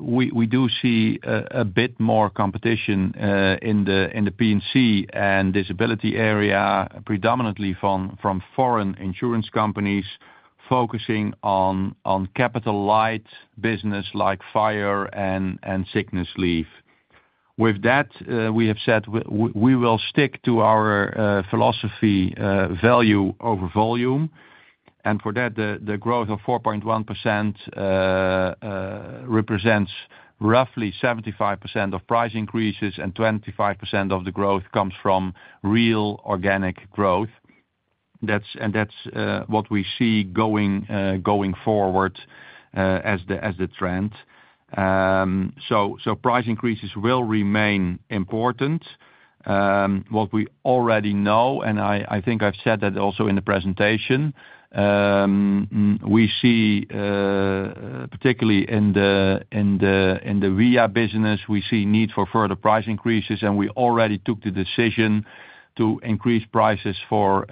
we do see a bit more competition in the P&C and disability area, predominantly from foreign insurance companies focusing on capital light business like fire and sickness leave. With that, we have said we will stick to our philosophy, value over volume. For that, the growth of 4.1% represents roughly 75% of price increases, and 25% of the growth comes from real organic growth. That is what we see going forward as the trend. Price increases will remain important. What we already know, and I think I've said that also in the presentation, we see, particularly in the VIA business, a need for further price increases, and we already took the decision to increase prices for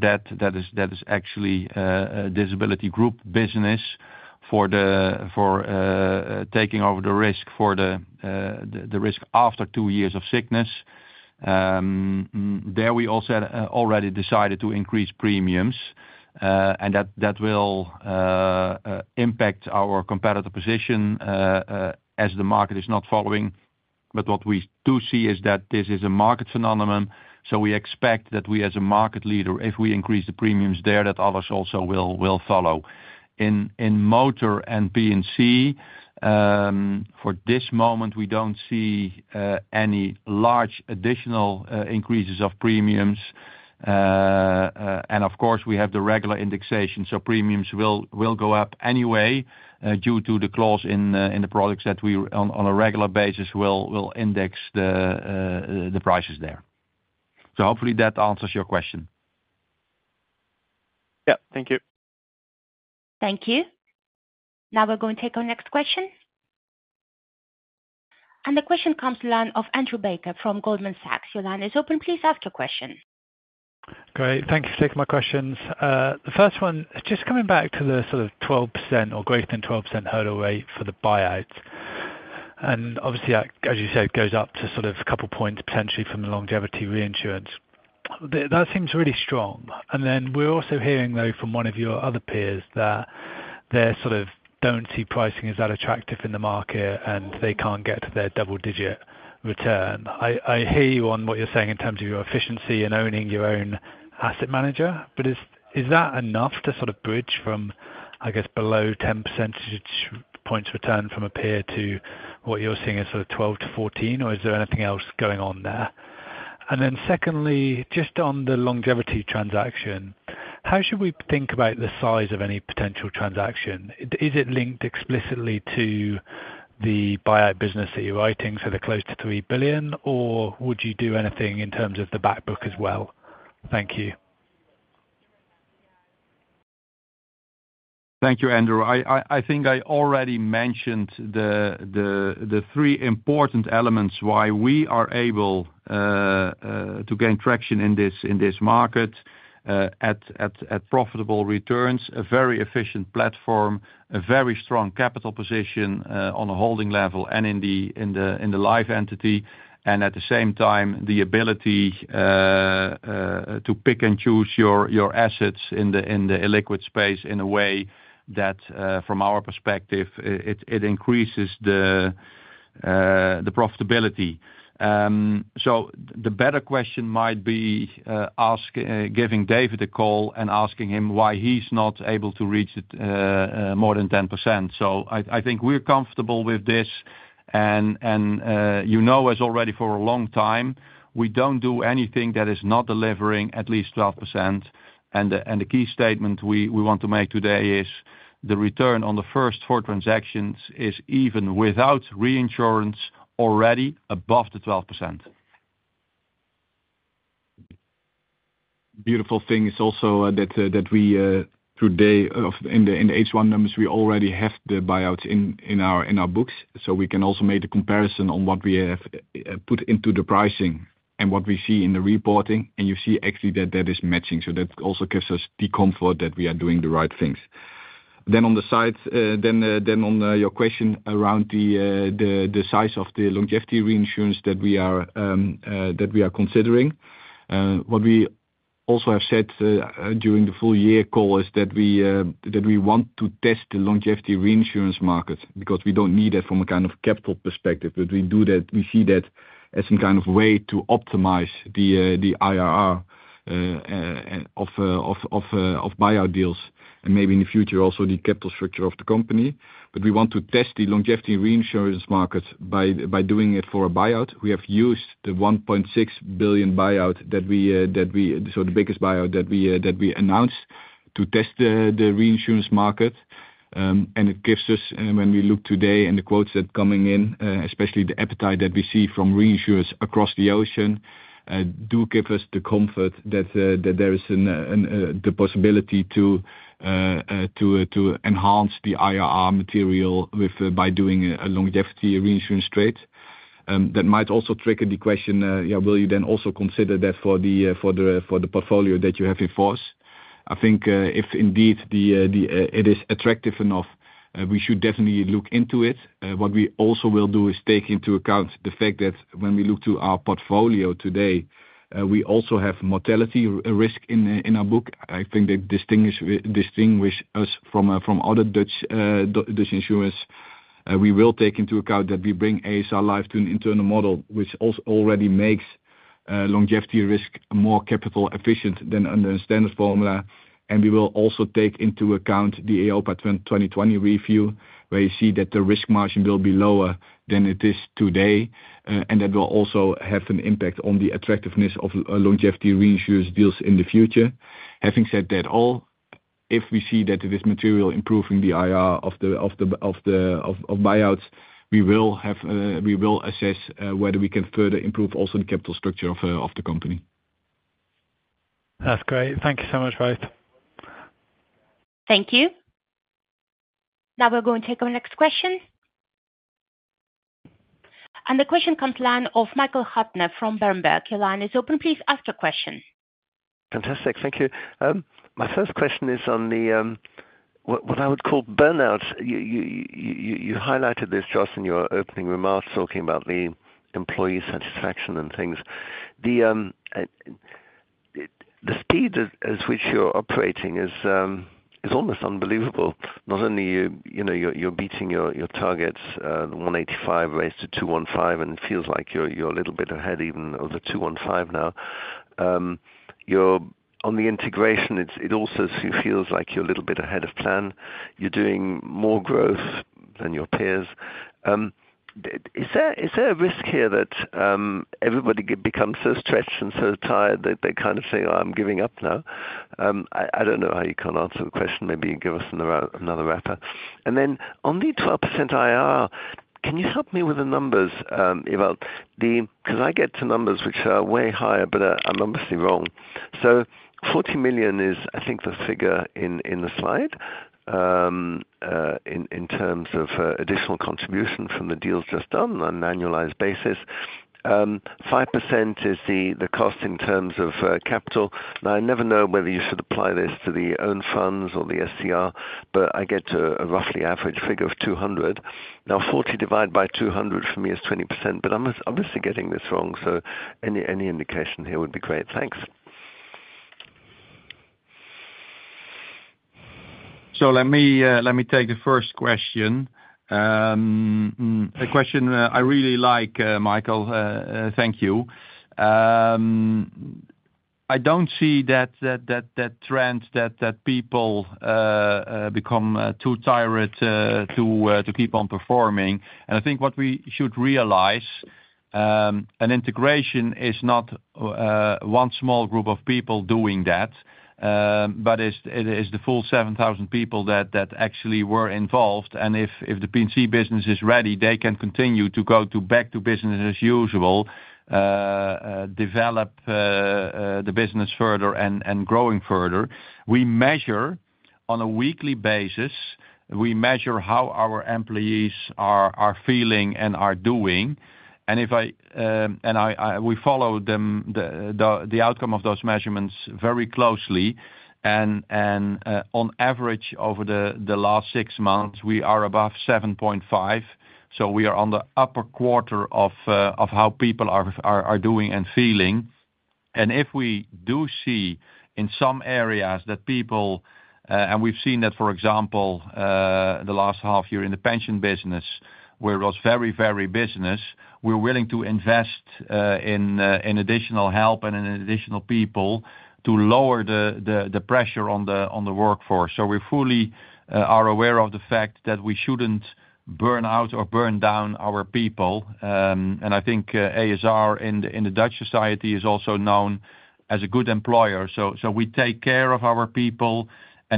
that. That is actually a disability group business for taking over the risk after two years of sickness. There, we also already decided to increase premiums, and that will impact our competitor position as the market is not following. What we do see is that this is a market phenomenon. We expect that we, as a market leader, if we increase the premiums there, others also will follow. In motor and P&C, at this moment, we don't see any large additional increases of premiums. Of course, we have the regular indexation. Premiums will go up anyway due to the clause in the products that we, on a regular basis, will index the prices there. Hopefully, that answers your question. Thank you. Thank you. Now we're going to take our next question. The question comes to the line of Andrew Baker from Goldman Sachs. Your line is open. Please ask your question. Great. Thank you for taking my questions. The first one is just coming back to the sort of 12% or greater than 12% hurdle rate for the buyouts. Obviously, as you said, it goes up to sort of a couple of points potentially from the longevity reinsurance. That seems really strong. We are also hearing, though, from one of your other peers that they sort of don't see pricing as that attractive in the market, and they can't get to their double-digit return. I hear you on what you're saying in terms of your efficiency in owning your own asset manager. Is that enough to sort of bridge from, I guess, below 10% return from a peer to what you're seeing as sort of 12%-14%? Is there anything else going on there? Secondly, just on the longevity transaction, how should we think about the size of any potential transaction? Is it linked explicitly to the buyout business that you're writing, so they're close to 3 billion, or would you do anything in terms of the backbook as well? Thank you. Thank you, Andrew. I think I already mentioned the three important elements why we are able to gain traction in this market at profitable returns: a very efficient platform, a very strong capital position on a holding level and in the life entity, and at the same time, the ability to pick and choose your assets in the illiquid space in a way that, from our perspective, it increases the profitability. The better question might be giving David a call and asking him why he's not able to reach more than 10%. I think we're comfortable with this. As already for a long time, we don't do anything that is not delivering at least 12%. The key statement we want to make today is the return on the first four transactions is even without reinsurance already above the 12%. Beautiful thing is also that we, today, in the H1 numbers, we already have the buyouts in our books. We can also make a comparison on what we have put into the pricing and what we see in the reporting. You see actually that that is matching. That also gives us the comfort that we are doing the right things. On your question around the size of the longevity reinsurance that we are considering, what we also have said during the full year call is that we want to test the longevity reinsurance market because we don't need it from a kind of capital perspective. We do that, we see that as some kind of way to optimize the IRR of buyout deals and maybe in the future also the capital structure of the company. We want to test the longevity reinsurance market by doing it for a buyout. We have used the 1.6 billion buyout, so the biggest buyout that we announced, to test the reinsurance market. When we look today and the quotes that are coming in, especially the appetite that we see from reinsurers across the ocean, do give us the comfort that there is the possibility to enhance the IRR material by doing a longevity reinsurance trade. That might also trigger the question, yeah, will you then also consider that for the portfolio that you have in force? I think if indeed it is attractive enough, we should definitely look into it. What we also will do is take into account the fact that when we look to our portfolio today, we also have mortality risk in our book. I think that distinguishes us from other Dutch insurers. We will take into account that we bring ASR Life to an internal model, which already makes longevity risk more capital efficient than under the standard formula. We will also take into account the EIOPA 2020 review, where you see that the risk margin will be lower than it is today. That will also have an impact on the attractiveness of longevity reinsurance deals in the future. Having said that all, if we see that it is material improving the IRR of the buyouts, we will assess whether we can further improve also the capital structure of the company. That's great. Thank you so much, both. Thank you. Now we're going to take our next question. The question comes to the line of Michael Huttner from Berenberg. Your line is open. Please ask your question. Fantastic. Thank you. My first question is on what I would call burnouts. You highlighted this, Jos, in your opening remarks, talking about the employee satisfaction and things. The speed at which you're operating is almost unbelievable. Not only are you beating your targets, 185 raised to 215, and it feels like you're a little bit ahead even over 215 now. On the integration, it also feels like you're a little bit ahead of plan. You're doing more growth than your peers. Is there a risk here that everybody becomes so stretched and so tired that they kind of say, "Oh, I'm giving up now"? I don't know how you can answer the question. Maybe you give us another wrapper. On the 12% IRR, can you help me with the numbers, Ewout? Because I get to numbers which are way higher, but I'm obviously wrong. 40 million is, I think, the figure in the slide in terms of additional contribution from the deals just done on an annualized basis. 5% is the cost in terms of capital. I never know whether you should apply this to the owned funds or the SCR, but I get a roughly average figure of 200. 40 divided by 200 for me is 20%, but I'm obviously getting this wrong. Any indication here would be great. Thanks. Let me take the first question. A question I really like, Michael. Thank you. I don't see that trend that people become too tired to keep on performing. I think what we should realize, an integration is not one small group of people doing that, but it is the full 7,000 people that actually were involved. If the P&C business is ready, they can continue to go back to business as usual, develop the business further and growing further. We measure on a weekly basis, we measure how our employees are feeling and are doing. We follow the outcome of those measurements very closely. On average, over the last six months, we are above 7.5%. We are on the upper quarter of how people are doing and feeling. If we do see in some areas that people, and we've seen that, for example, the last half year in the pension business, where it was very, very business, we're willing to invest in additional help and in additional people to lower the pressure on the workforce. We fully are aware of the fact that we shouldn't burn out or burn down our people. I think ASR in the Dutch society is also known as a good employer. We take care of our people.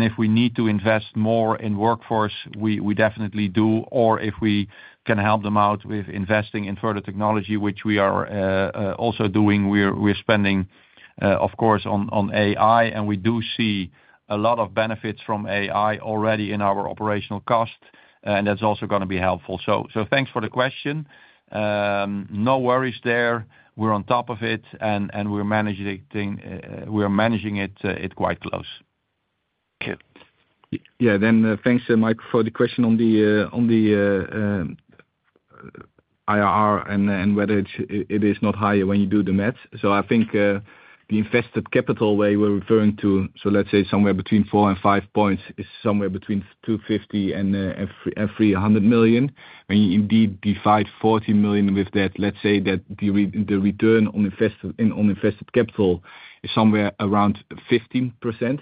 If we need to invest more in workforce, we definitely do. Or if we can help them out with investing in further technology, which we are also doing, we're spending, of course, on AI. We do see a lot of benefits from AI already in our operational cost. That's also going to be helpful. Thanks for the question. No worries there. We're on top of it, and we're managing it quite close. Yeah. Thanks, Mike, for the question on the IRR and whether it is not higher when you do the MET. I think the invested capital way we're referring to, let's say somewhere between 4 and 5 points, is somewhere between 250 million and 300 million. When you indeed divide 40 million with that, let's say that the return on invested capital is somewhere around 15%.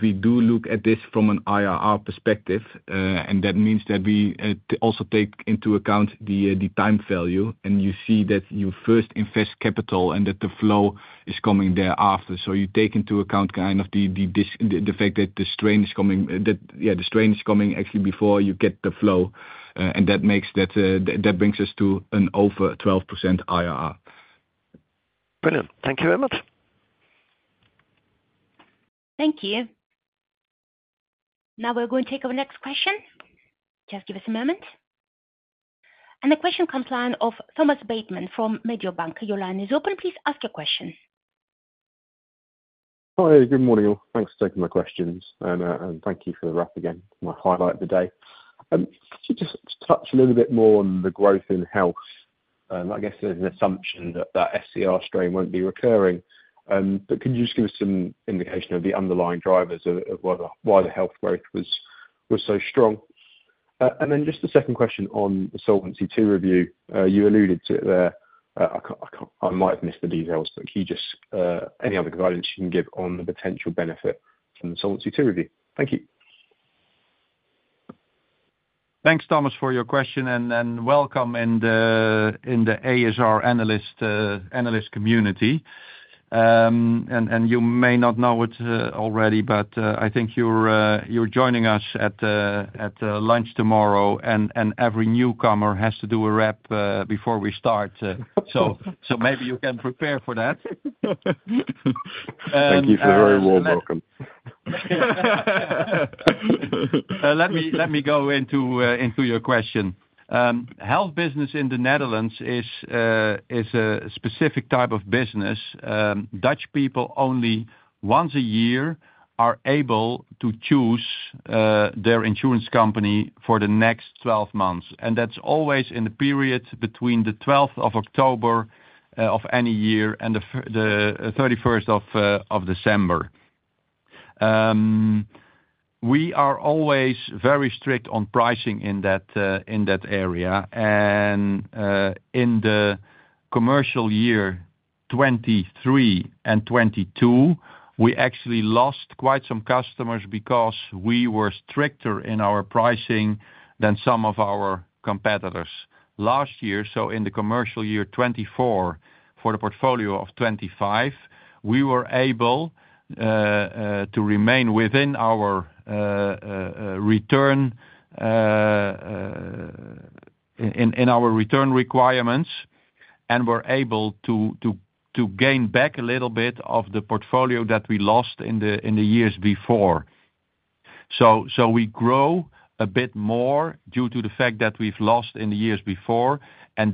We do look at this from an IRR perspective. That means we also take into account the time value. You see that you first invest capital and that the flow is coming thereafter. You take into account the fact that the strain is coming, that, yeah, the strain is coming actually before you get the flow. That brings us to an over 12% IRR. Brilliant. Thank you very much. Thank you. Now we're going to take our next question. Just give us a moment. The question comes to the line of Thomas Bateman from Mediobanca. Your line is open. Please ask your question. Hi. Good morning. Thanks for taking my questions. Thank you for the wrap again, my highlight of the day. Could you just touch a little bit more on the growth in health? I guess there's an assumption that that SCR strain won't be recurring. Could you just give us some indication of the underlying drivers of why the health growth was so strong? The second question on the Solvency II review. You alluded to it there. I might have missed the details. Can you just, any other guidance you can give on the potential benefit from the Solvency II review? Thank you. Thanks, Thomas, for your question. Welcome in the ASR analyst community. You may not know it already, but I think you're joining us at lunch tomorrow. Every newcomer has to do a wrap before we start, so maybe you can prepare for that. Thank you. You're very welcome. Let me go into your question. Health business in the Netherlands is a specific type of business. Dutch people only once a year are able to choose their insurance company for the next 12 months. That's always in the period between the 12th of October of any year and the 31st of December. We are always very strict on pricing in that area. In the commercial year 2023 and 2022, we actually lost quite some customers because we were stricter in our pricing than some of our competitors. Last year, in the commercial year 2024, for the portfolio of 2025, we were able to remain within our return requirements and were able to gain back a little bit of the portfolio that we lost in the years before. We grow a bit more due to the fact that we've lost in the years before.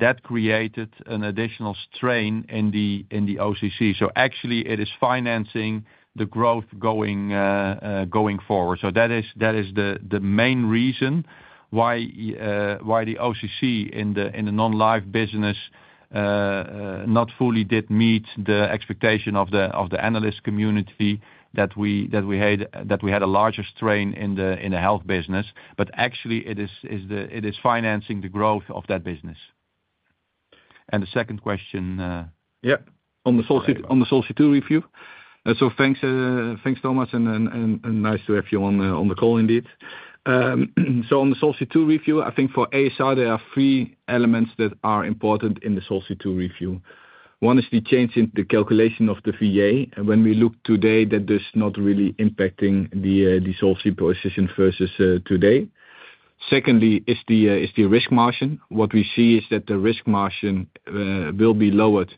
That created an additional strain in the OCC. Actually, it is financing the growth going forward. That is the main reason why the OCC in the non-life business not fully did meet the expectation of the analyst community that we had a larger strain in the health business. Actually, it is financing the growth of that business. The second question. Yeah. On the Solvency II review. Thanks, Thomas. Nice to have you on the call indeed. On the Solvency II review, I think for ASR, there are three elements that are important in the Solvency II review. One is the change in the calculation of the VA. When we look today, that does not really impact the solvency position versus today. Secondly, is the risk margin. What we see is that the risk margin will be lowered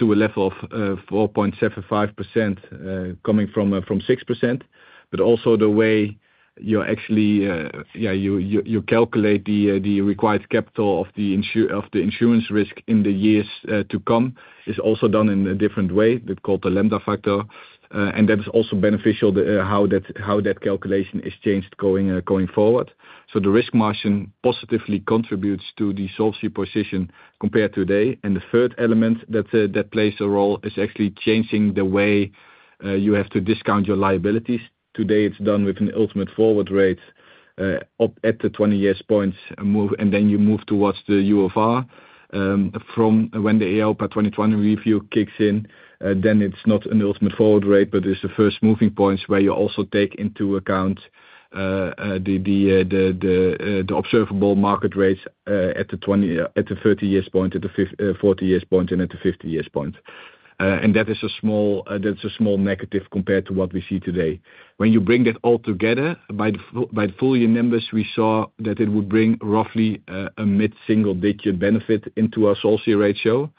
to a level of 4.75% coming from 6%. Also, the way you actually calculate the required capital of the insurance risk in the years to come is done in a different way called the lambda factor. That is also beneficial, how that calculation is changed going forward. The risk margin positively contributes to the solvency position compared to today. The third element that plays a role is actually changing the way you have to discount your liabilities. Today, it's done with an ultimate forward rate at the 20-year point. You move towards the UFR from when the EIOPA 2020 review kicks in. Then it's not an ultimate forward rate, but it's the first moving points where you also take into account the observable market rates at the 30-year point, at the 40-year point, and at the 50-year point. That is a small negative compared to what we see today. When you bring that all together, by the full year numbers, we saw that it would bring roughly a mid-single-digit benefit into our solvency ratio.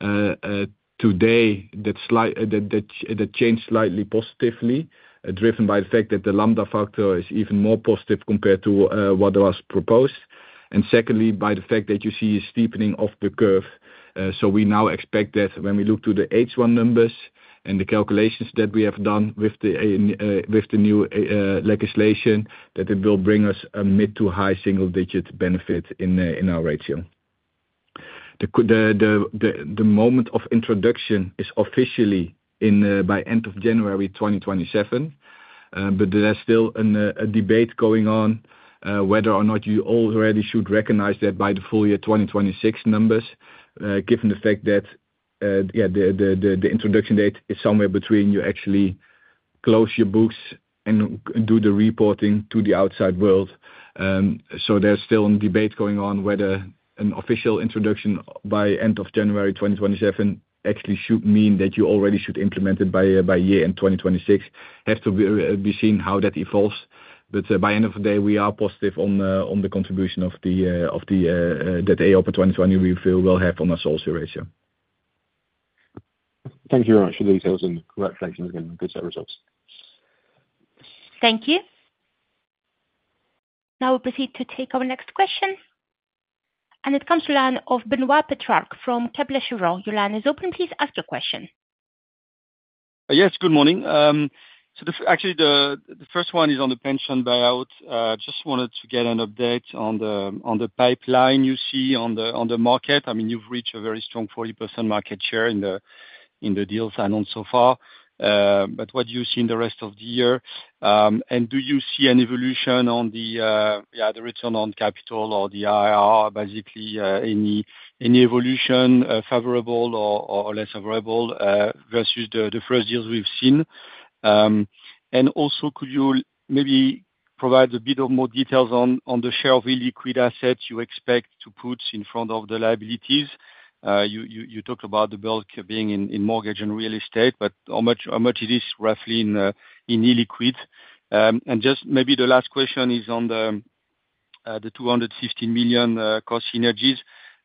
Today, that changed slightly positively, driven by the fact that the lambda factor is even more positive compared to what was proposed. Secondly, by the fact that you see a steepening of the curve. We now expect that when we look to the H1 numbers and the calculations that we have done with the new legislation, it will bring us a mid to high single-digit benefit in our ratio. The moment of introduction is officially by end of January 2027. There's still a debate going on whether or not you already should recognize that by the full year 2026 numbers, given the fact that the introduction date is somewhere between you actually close your books and do the reporting to the outside world. There's still a debate going on whether an official introduction by end of January 2027 actually should mean that you already should implement it by year end 2026. Have to see how that evolves. At the end of the day, we are positive on the contribution the EIOPA 2020 review will have on our solvency ratio. Thank you very much for the details and the correct thank you again. Good set of results. Thank you. Now we'll proceed to take our next question. It comes to the line of Benoît Pétrarque from Kepler Cheuvreux. Your line is open. Please ask your question. Yes, good morning. The first one is on the pension buyout. I just wanted to get an update on the pipeline you see on the market. I mean, you've reached a very strong 40% market share in the deals I know so far. What do you see in the rest of the year? Do you see an evolution on the return on capital or the IRR? Basically, any evolution favorable or less favorable versus the first deals we've seen? Also, could you maybe provide a bit more detail on the share of illiquid assets you expect to put in front of the liabilities? You talked about the bulk being in mortgage and real estate, but how much of it is roughly in illiquid? The last question is on the 215 million cost synergies,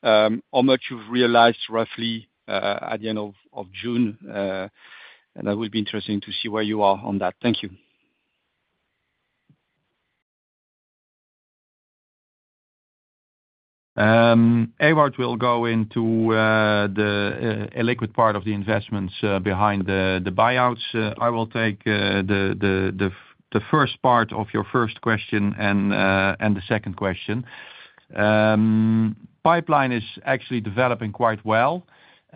how much you've realized roughly at the end of June? That would be interesting to see where you are on that. Thank you. Ewout will go into the illiquid part of the investments behind the buyouts. I will take the first part of your first question and the second question. Pipeline is actually developing quite well.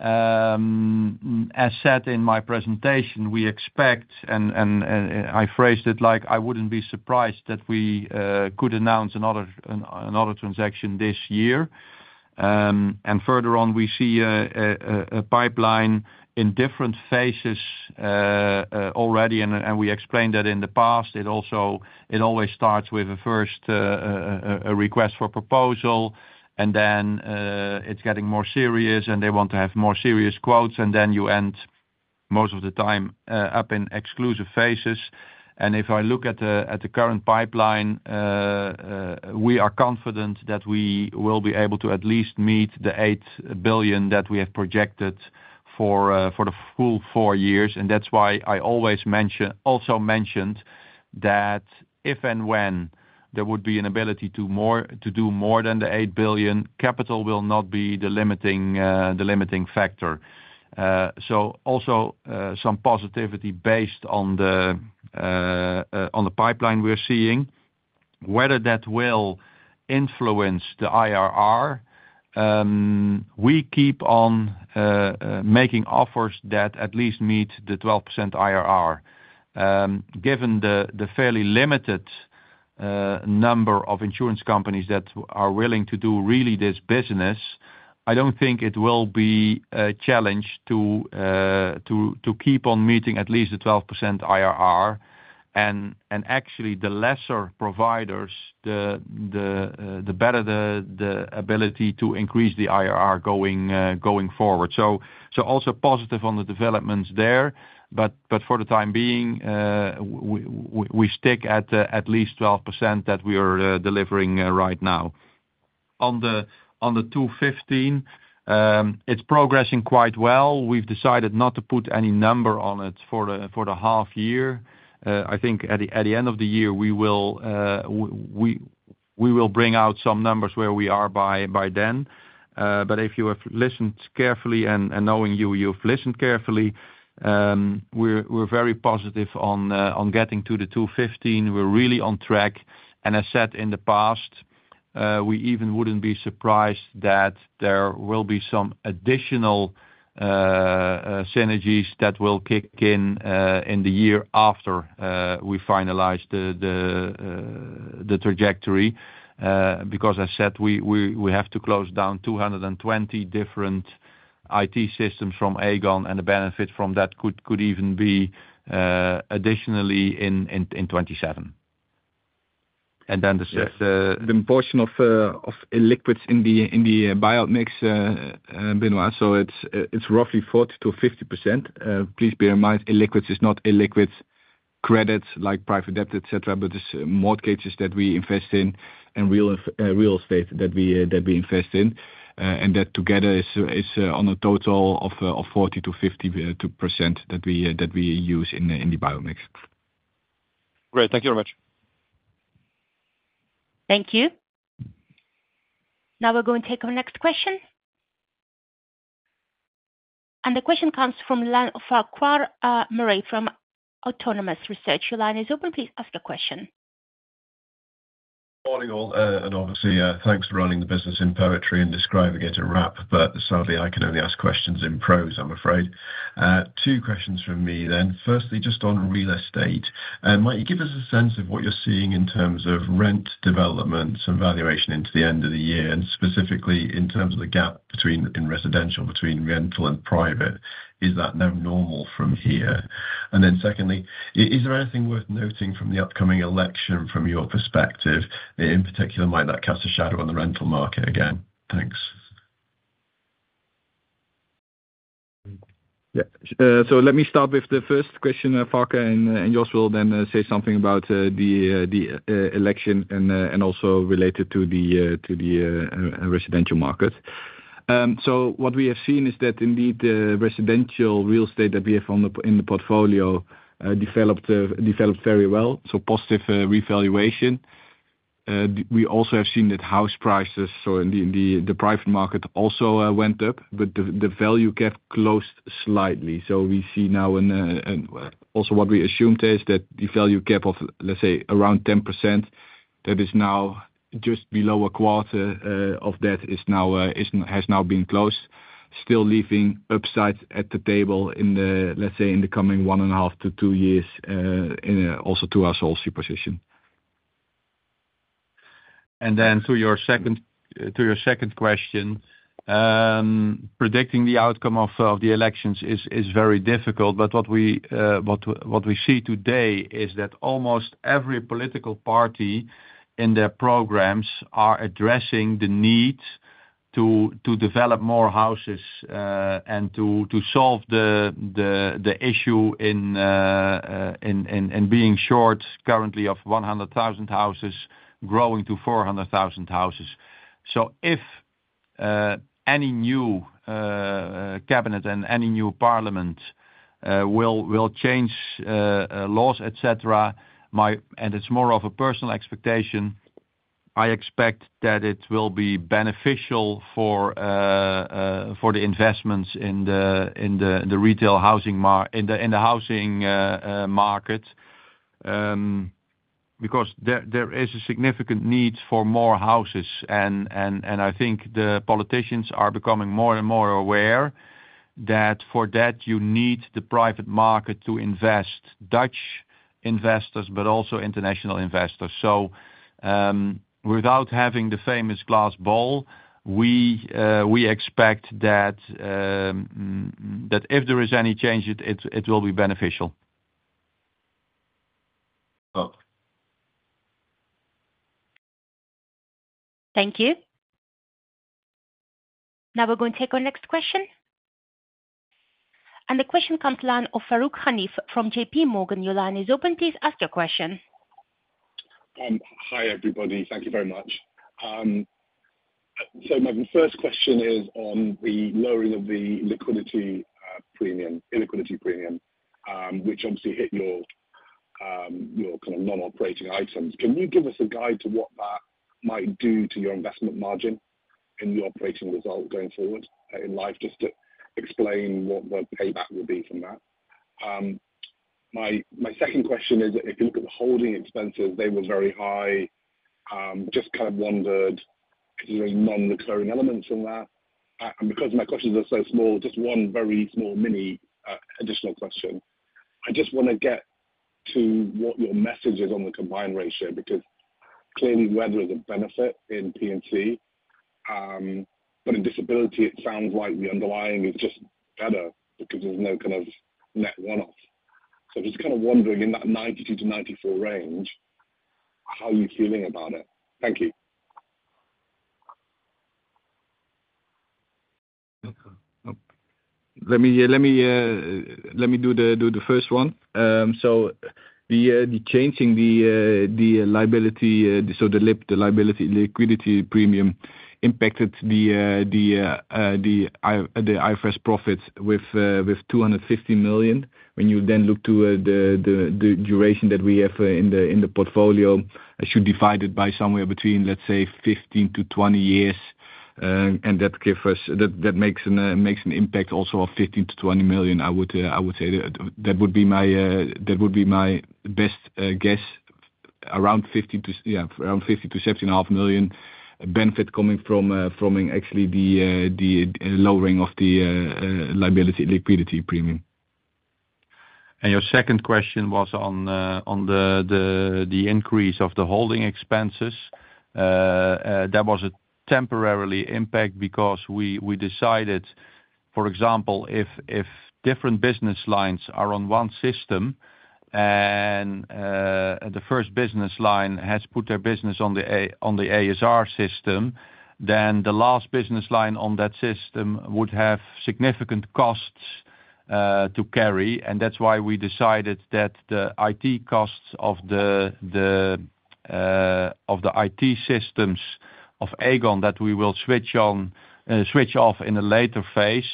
As said in my presentation, we expect, and I phrased it like I wouldn't be surprised that we could announce another transaction this year. Further on, we see a pipeline in different phases already. We explained that in the past, it also always starts with a first request for proposal. Then it's getting more serious, and they want to have more serious quotes. You end, most of the time, up in exclusive phases. If I look at the current pipeline, we are confident that we will be able to at least meet the 8 billion that we have projected for the full four years. That's why I always also mentioned that if and when there would be an ability to do more than the 8 billion, capital will not be the limiting factor. Some positivity based on the pipeline we're seeing, whether that will influence The IRR, we keep on making offers that at least meet the 12% IRR. Given the fairly limited number of insurance companies that are willing to do really this business, I don't think it will be a challenge to keep on meeting at least the 12% IRR. Actually, the lesser providers, the better the ability to increase the IRR going forward. Also positive on the developments there. For the time being, we stick at at least 12% that we are delivering right now. On the 215, it's progressing quite well. We've decided not to put any number on it for the half year. I think at the end of the year, we will bring out some numbers where we are by then. If you have listened carefully and knowing you, you've listened carefully, we're very positive on getting to the 215. We're really on track. I said in the past, we even wouldn't be surprised that there will be some additional synergies that will kick in in the year after we finalize the trajectory. I said we have to close down 220 different IT systems from Aegon, and the benefit from that could even be additionally in 2027. Then the... The portion of illiquids in the buyout mix, Benoît, it's roughly 40%-50%. Please bear in mind, illiquids is not illiquid credits like private debt, etc., it's mortgages that we invest in and real estate that we invest in. That together is a total of 40%-50% that we use in the buyout mix. Great. Thank you very much. Thank you. Now we're going to take our next question. The question comes from Farquhar Murray from Autonomous Research. Your line is open. Please ask the question. Morning all, and obviously, thanks for running the business in poetry and describing it in rap, but sadly, I can only ask questions in prose, I'm afraid. Two questions from me then. Firstly, just on real estate. Might you give us a sense of what you're seeing in terms of rent developments and valuation into the end of the year? Specifically, in terms of the gap between in residential between rental and private, is that now normal from here? Secondly, is there anything worth noting from the upcoming election from your perspective? In particular, might that cast a shadow on the rental market again? Thanks. Yeah. Let me start with the first question, Farquhar, and Jos will then say something about the election and also related to the residential market. What we have seen is that indeed the residential real estate that we have in the portfolio developed very well. Positive revaluation. We also have seen that house prices in the private market also went up, but the value gap closed slightly. We see now, and also what we assumed is that the value gap of, let's say, around 10%, that is now just below a quarter of that has now been closed, still leaving upside at the table in the, let's say, in the coming one and a half to two years, also to our sole superposition. To your second question, predicting the outcome of the elections is very difficult. What we see today is that almost every political party in their programs are addressing the need to develop more houses and to solve the issue in being short currently of 100,000 houses, growing to 400,000 houses. If any new cabinet and any new parliament will change laws, etc., and it's more of a personal expectation, I expect that it will be beneficial for the investments in the retail housing market because there is a significant need for more houses. I think the politicians are becoming more and more aware that for that, you need the private market to invest, Dutch investors, but also international investors. Without having the famous glass bowl, we expect that if there is any change, it will be beneficial. Thank you. Now we're going to take our next question. The question comes to Farooq Hanif from JPMorgan. Your line is open. Please ask your question. Hi, everybody. Thank you very much. My first question is on the lowering of the liquidity premium, which obviously hit your kind of non-operating items. Can you give us a guide to what that might do to your investment margin and your operating result going forward in life? Just to explain what the payback would be from that. My second question is, if you look at the holding expenses, they were very high. I just kind of wondered, are you a non-recurring element from that? Because my questions are so small, just one very small mini additional question. I just want to get to what your message is on the combined ratio because clearly, the weather is a benefit in P&C. In disability, it sounds like the underlying is just better because there's no kind of net one-off. I'm just kind of wondering in that 92%-94% range, how are you feeling about it? Thank you. Let me do the first one. The changing the liability, so the liability liquidity premium impacted the IFRS profits with 250 million. When you then look to the duration that we have in the portfolio, I should divide it by somewhere between, let's say, 15-20 years. That gives us, that makes an impact also of 15 million-20 million. I would say that would be my best guess, around 50 to, yeah, around 50 million-75 million benefit coming from actually the lowering of the liability liquidity premium. Your second question was on the increase of the holding expenses. That was a temporary impact because we decided, for example, if different business lines are on one system and the first business line has put their business on the ASR system, the last business line on that system would have significant costs to carry. That is why we decided that the IT costs of the IT systems of Aegon that we will switch off in a later phase,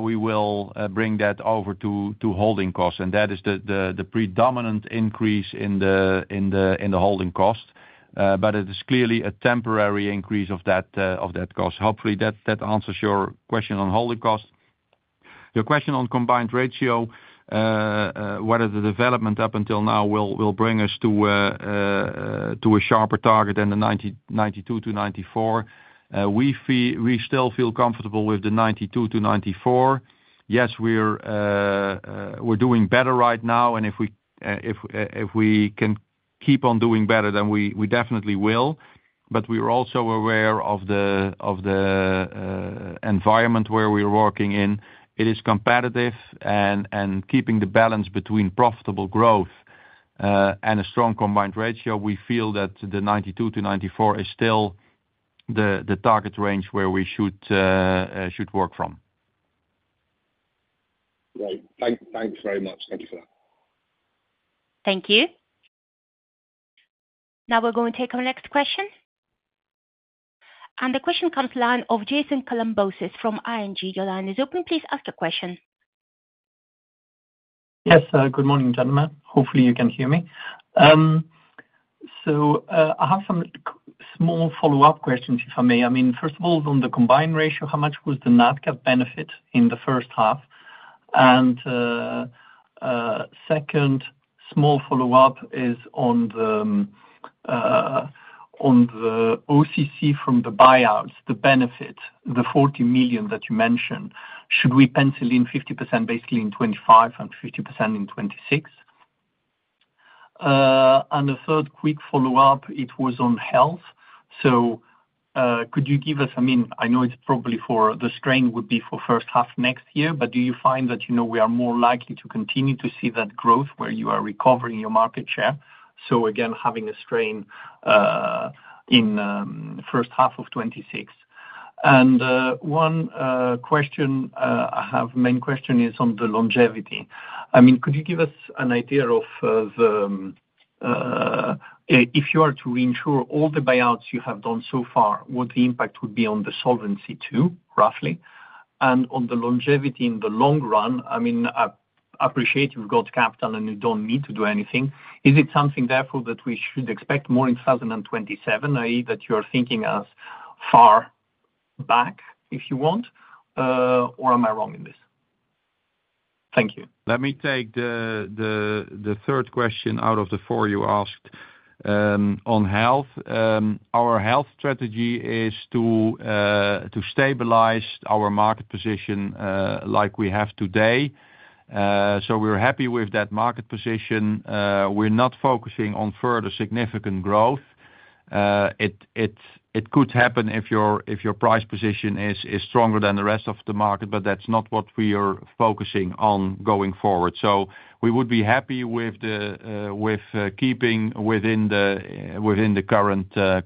we will bring that over to holding costs. That is the predominant increase in the holding cost. It is clearly a temporary increase of that cost. Hopefully, that answers your question on holding cost. Your question on combined ratio, whether the development up until now will bring us to a sharper target than the 92%-94%, we still feel comfortable with the 92%-94%. Yes, we're doing better right now. If we can keep on doing better, then we definitely will. We are also aware of the environment where we're working in. It is competitive. Keeping the balance between profitable growth and a strong combined ratio, we feel that the 92%-94% is still the target range where we should work from. Yeah, thanks very much. Thank you for that. Thank you. Now we're going to take our next question. The question comes from the line of Jason Kalamboussis from ING. Your line is open. Please ask your question. Yes. Good morning, gentlemen. Hopefully, you can hear me. I have some small follow-up questions, if I may. First of all, on the combined ratio, how much was the NADCA benefit in the first half? The second small follow-up is on the OCC from the buyouts, the benefit, the 40 million that you mentioned. Should we pencil in 50% basically in 2025 and 50% in 2026? The third quick follow-up is on health. Could you give us, I know it's probably for the strain, would be for first half next year, but do you find that we are more likely to continue to see that growth where you are recovering your market share? Again, having a strain in the first half of 2026. One question I have, the main question, is on the longevity. Could you give us an idea of, if you are to reinsure all the buyouts you have done so far, what the impact would be on the Solvency II ratio, roughly, and on the longevity in the long run? I appreciate you've got capital and you don't need to do anything. Is it something, therefore, that we should expect more in 2027, i.e., that you are thinking as far back, if you want, or am I wrong in this? Thank you. Let me take the third question out of the four you asked on health. Our health strategy is to stabilize our market position like we have today. We're happy with that market position. We're not focusing on further significant growth. It could happen if your price position is stronger than the rest of the market, but that's not what we are focusing on going forward. We would be happy with keeping within the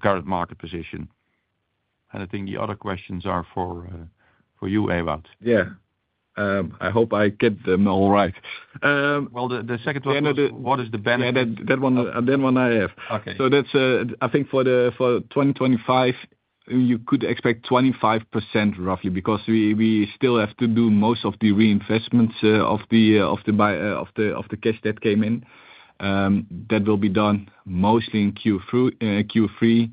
current market position. I think the other questions are for you, Ewout. Yeah, I hope I get them all right. What is the benefit? One I have. Okay. I think for 2025, you could expect 25% roughly because we still have to do most of the reinvestments of the cash that came in. That will be done mostly in Q3,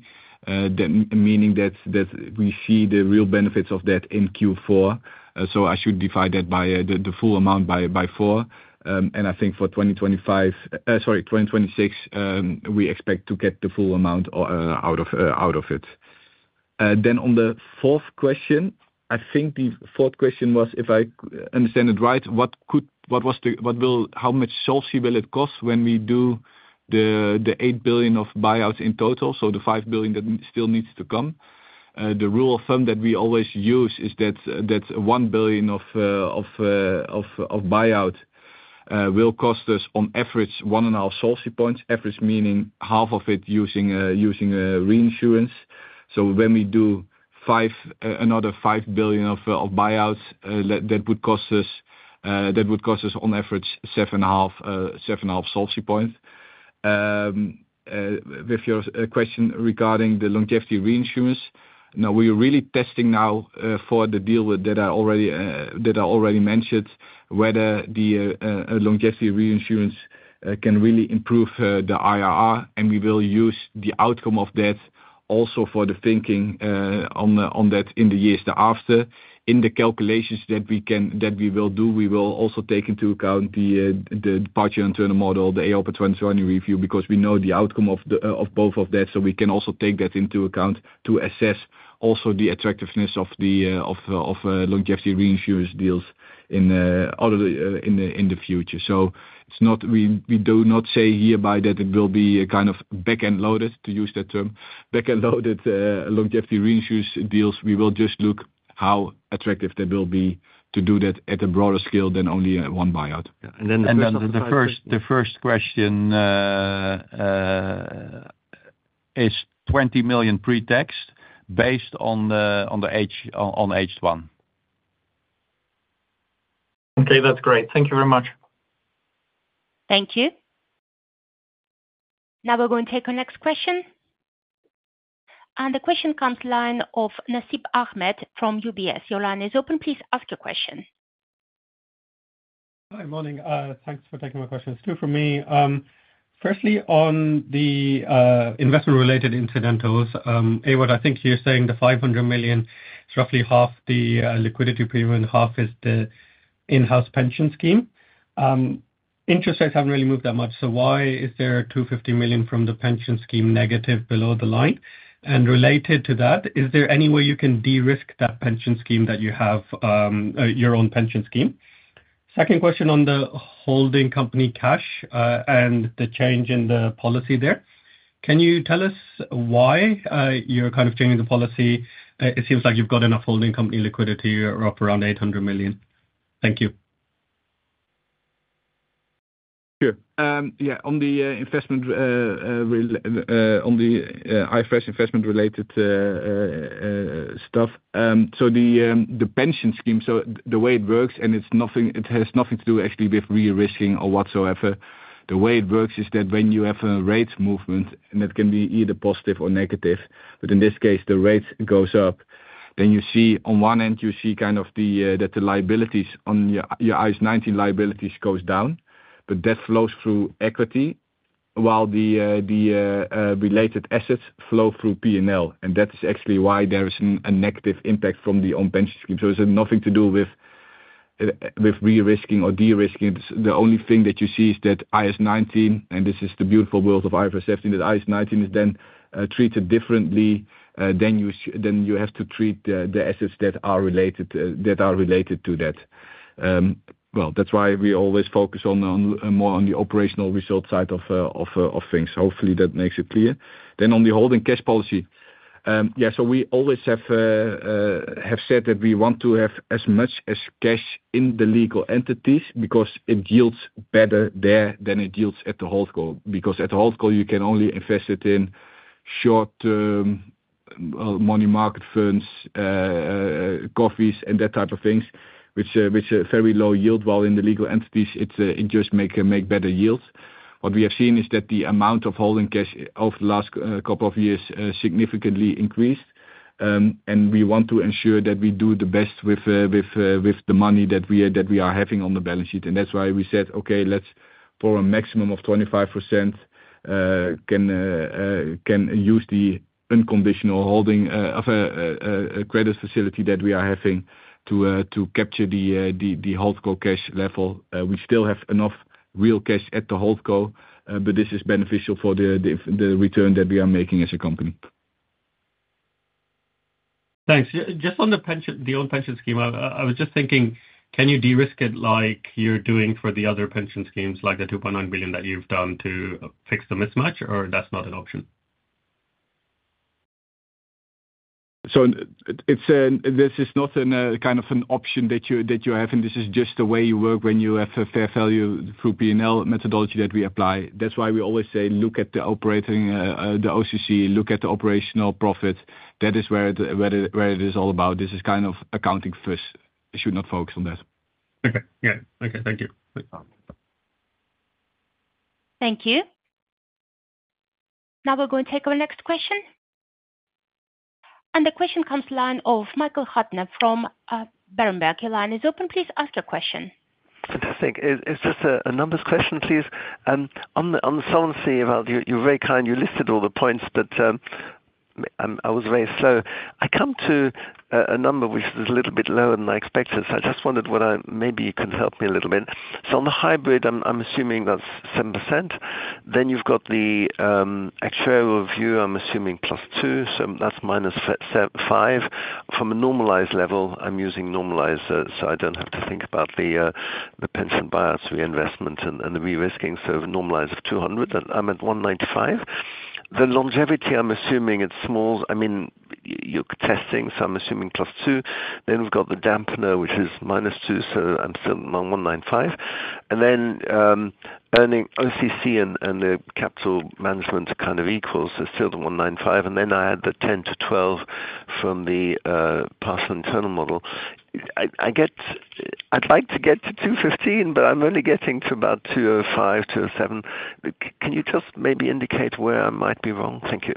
meaning that we see the real benefits of that in Q4. I should divide that by the full amount by four. I think for 2025, sorry, 2026 we expect to get the full amount out of it. On the fourth question, I think the fourth question was, if I understand it right, what will, how much sourcing will it cost when we do the 8 billion of buyouts in total? The 5 billion that still needs to come. The rule of thumb that we always use is that 1 billion of buyouts will cost us on average 1.5 sourcing points, average meaning half of it using reinsurance. When we do another 5 billion of buyouts, that would cost us on average 7.5 sourcing points. With your question regarding the longevity reinsurance, we are really testing now for the deal that I already mentioned, whether the longevity reinsurance can really improve the IRR. We will use the outcome of that also for the thinking on that in the years thereafter. In the calculations that we will do, we will also take into account the departure and turnover model, the AOPA 2020 review because we know the outcome of both of that. We can also take that into account to assess the attractiveness of the longevity reinsurance deals in the future. We do not say hereby that it will be kind of back-end loaded, to use that term. Back-end loaded longevity reinsurance deals, we will just look how attractive that will be to do that at a broader scale than only one buyout. The first question is 20 million pre-tax based on the H1. Okay, that's great. Thank you very much. Thank you. Now we're going to take our next question. The question comes from Nasib Ahmed from UBS. Your line is open. Please ask your question. Hi. Morning. Thanks for taking my question. It's two for me. Firstly, on the investment-related incidentals, Ewout, I think you're saying the 500 million is roughly half the liquidity premium and half is the in-house pension scheme. Interest rates haven't really moved that much. Why is there 250 million from the pension scheme negative below the line? Related to that, is there any way you can de-risk that pension scheme that you have, your own pension scheme? Second question on the holding company cash and the change in the policy there. Can you tell us why you're kind of changing the policy? It seems like you've got enough holding company liquidity up around 800 million. Thank you. Sure. Yeah. On the IFRS investment-related stuff, so the pension scheme, the way it works, and it has nothing to do actually with re-risking or whatsoever. The way it works is that when you have a rates movement, and that can be either positive or negative, but in this case, the rates go up. You see, on one end, you see kind of the liabilities on your IAS 19 liabilities go down, but that flows through equity while the related assets flow through P&L. That is actually why there is a negative impact from the on-pension scheme. It has nothing to do with re-risking or de-risking. The only thing that you see is that IAS 19, and this is the beautiful world of IFRS 17, that IAS 19 is then treated differently than you have to treat the assets that are related to that. That is why we always focus more on the operational result side of things. Hopefully, that makes it clear. On the holding cash policy, we always have said that we want to have as much as cash in the legal entities because it yields better there than it yields at the holdco. Because at the holdco, you can only invest it in short-term money market funds, coffers, and that type of things, which are very low yield. While in the legal entities, it just makes better yields. What we have seen is that the amount of holding cash over the last couple of years significantly increased. We want to ensure that we do the best with the money that we are having on the balance sheet. That is why we said, "Okay, let's for a maximum of 25% can use the unconditional holding of a credit facility that we are having to capture the holdco cash level." We still have enough real cash at the holdco, but this is beneficial for the return that we are making as a company. Thanks. Just on the pension scheme, I was just thinking, can you de-risk it like you're doing for the other pension schemes, like the 2.9 billion that you've done to fix the mismatch, or that's not an option? This is not a kind of an option that you're having. This is just the way you work when you have a fair value through P&L methodology that we apply. That's why we always say look at the operating, the OCC, look at the operational profits. That is where it is all about. This is kind of accounting first. I should not focus on that. Okay. Thank you. Thank you. Now we're going to take our next question. The question comes from Michael Huttner from Berenberg. Your line is open. Please ask your question. Fantastic. Is this a numbers question, please? On the Solvency, you're very kind. You listed all the points, but I was very slow. I come to a number which is a little bit lower than I expected. I just wondered whether maybe you can help me a little bit. On the hybrid, I'm assuming that's 7%. Then you've got the actuarial review, I'm assuming -2. That's -5. From a normalized level, I'm using normalized, so I don't have to think about the pension buyouts, reinvestment, and the re-risking. Normalized 200. I'm at 195. The longevity, I'm assuming it's small. I mean, you could test things, so I'm assuming +2. We've got the dampener, which is -2. I'm still on 195. Earning OCC and the capital management kind of equals, so still the 195. I add the 10 to 12 from the partial internal model. I'd like to get to 215, but I'm only getting to about 205, 207. Can you just maybe indicate where I might be wrong? Thank you.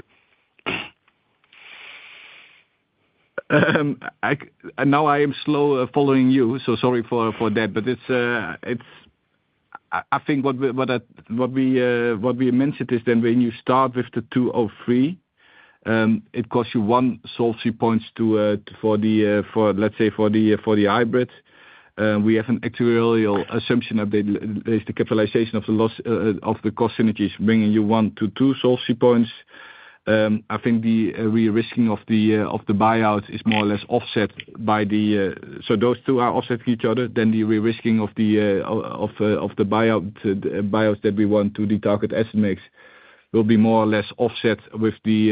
I am slow following you, sorry for that. I think what we mentioned is when you start with the 203, it costs you one sourcing point for, let's say, for the hybrid. We have an actuarial assumption update that is the capitalization of the loss of the cost synergies, bringing you one to two sourcing points. I think the re-risking of the buyout is more or less offset by those two, so those two are offset from each other. The re-risking of the buyouts that we want to de-target asset mix will be more or less offset with the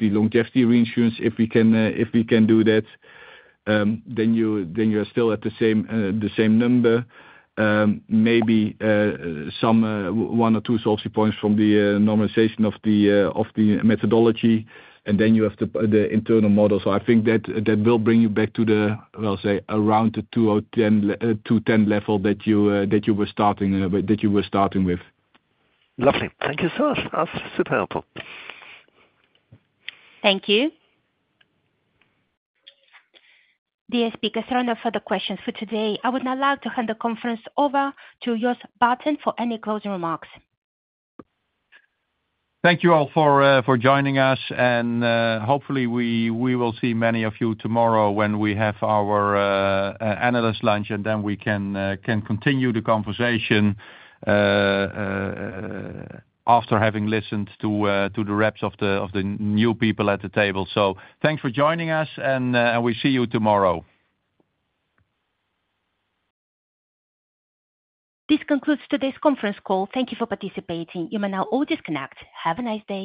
longevity reinsurance if we can do that. You are still at the same number, maybe one or two sourcing points from the normalization of the methodology. You have the internal model. I think that will bring you back to, I'll say, around the 210 level that you were starting with. Lovely. Thank you so much. That's super helpful. Thank you. The speakers are on no further questions for today. I would now like to hand the conference over to Jos Baeten for any closing remarks. Thank you all for joining us. Hopefully, we will see many of you tomorrow when we have our analyst lunch, and we can continue the conversation after having listened to the reps of the new people at the table. Thanks for joining us, and we see you tomorrow. This concludes today's conference call. Thank you for participating. You may now all disconnect. Have a nice day.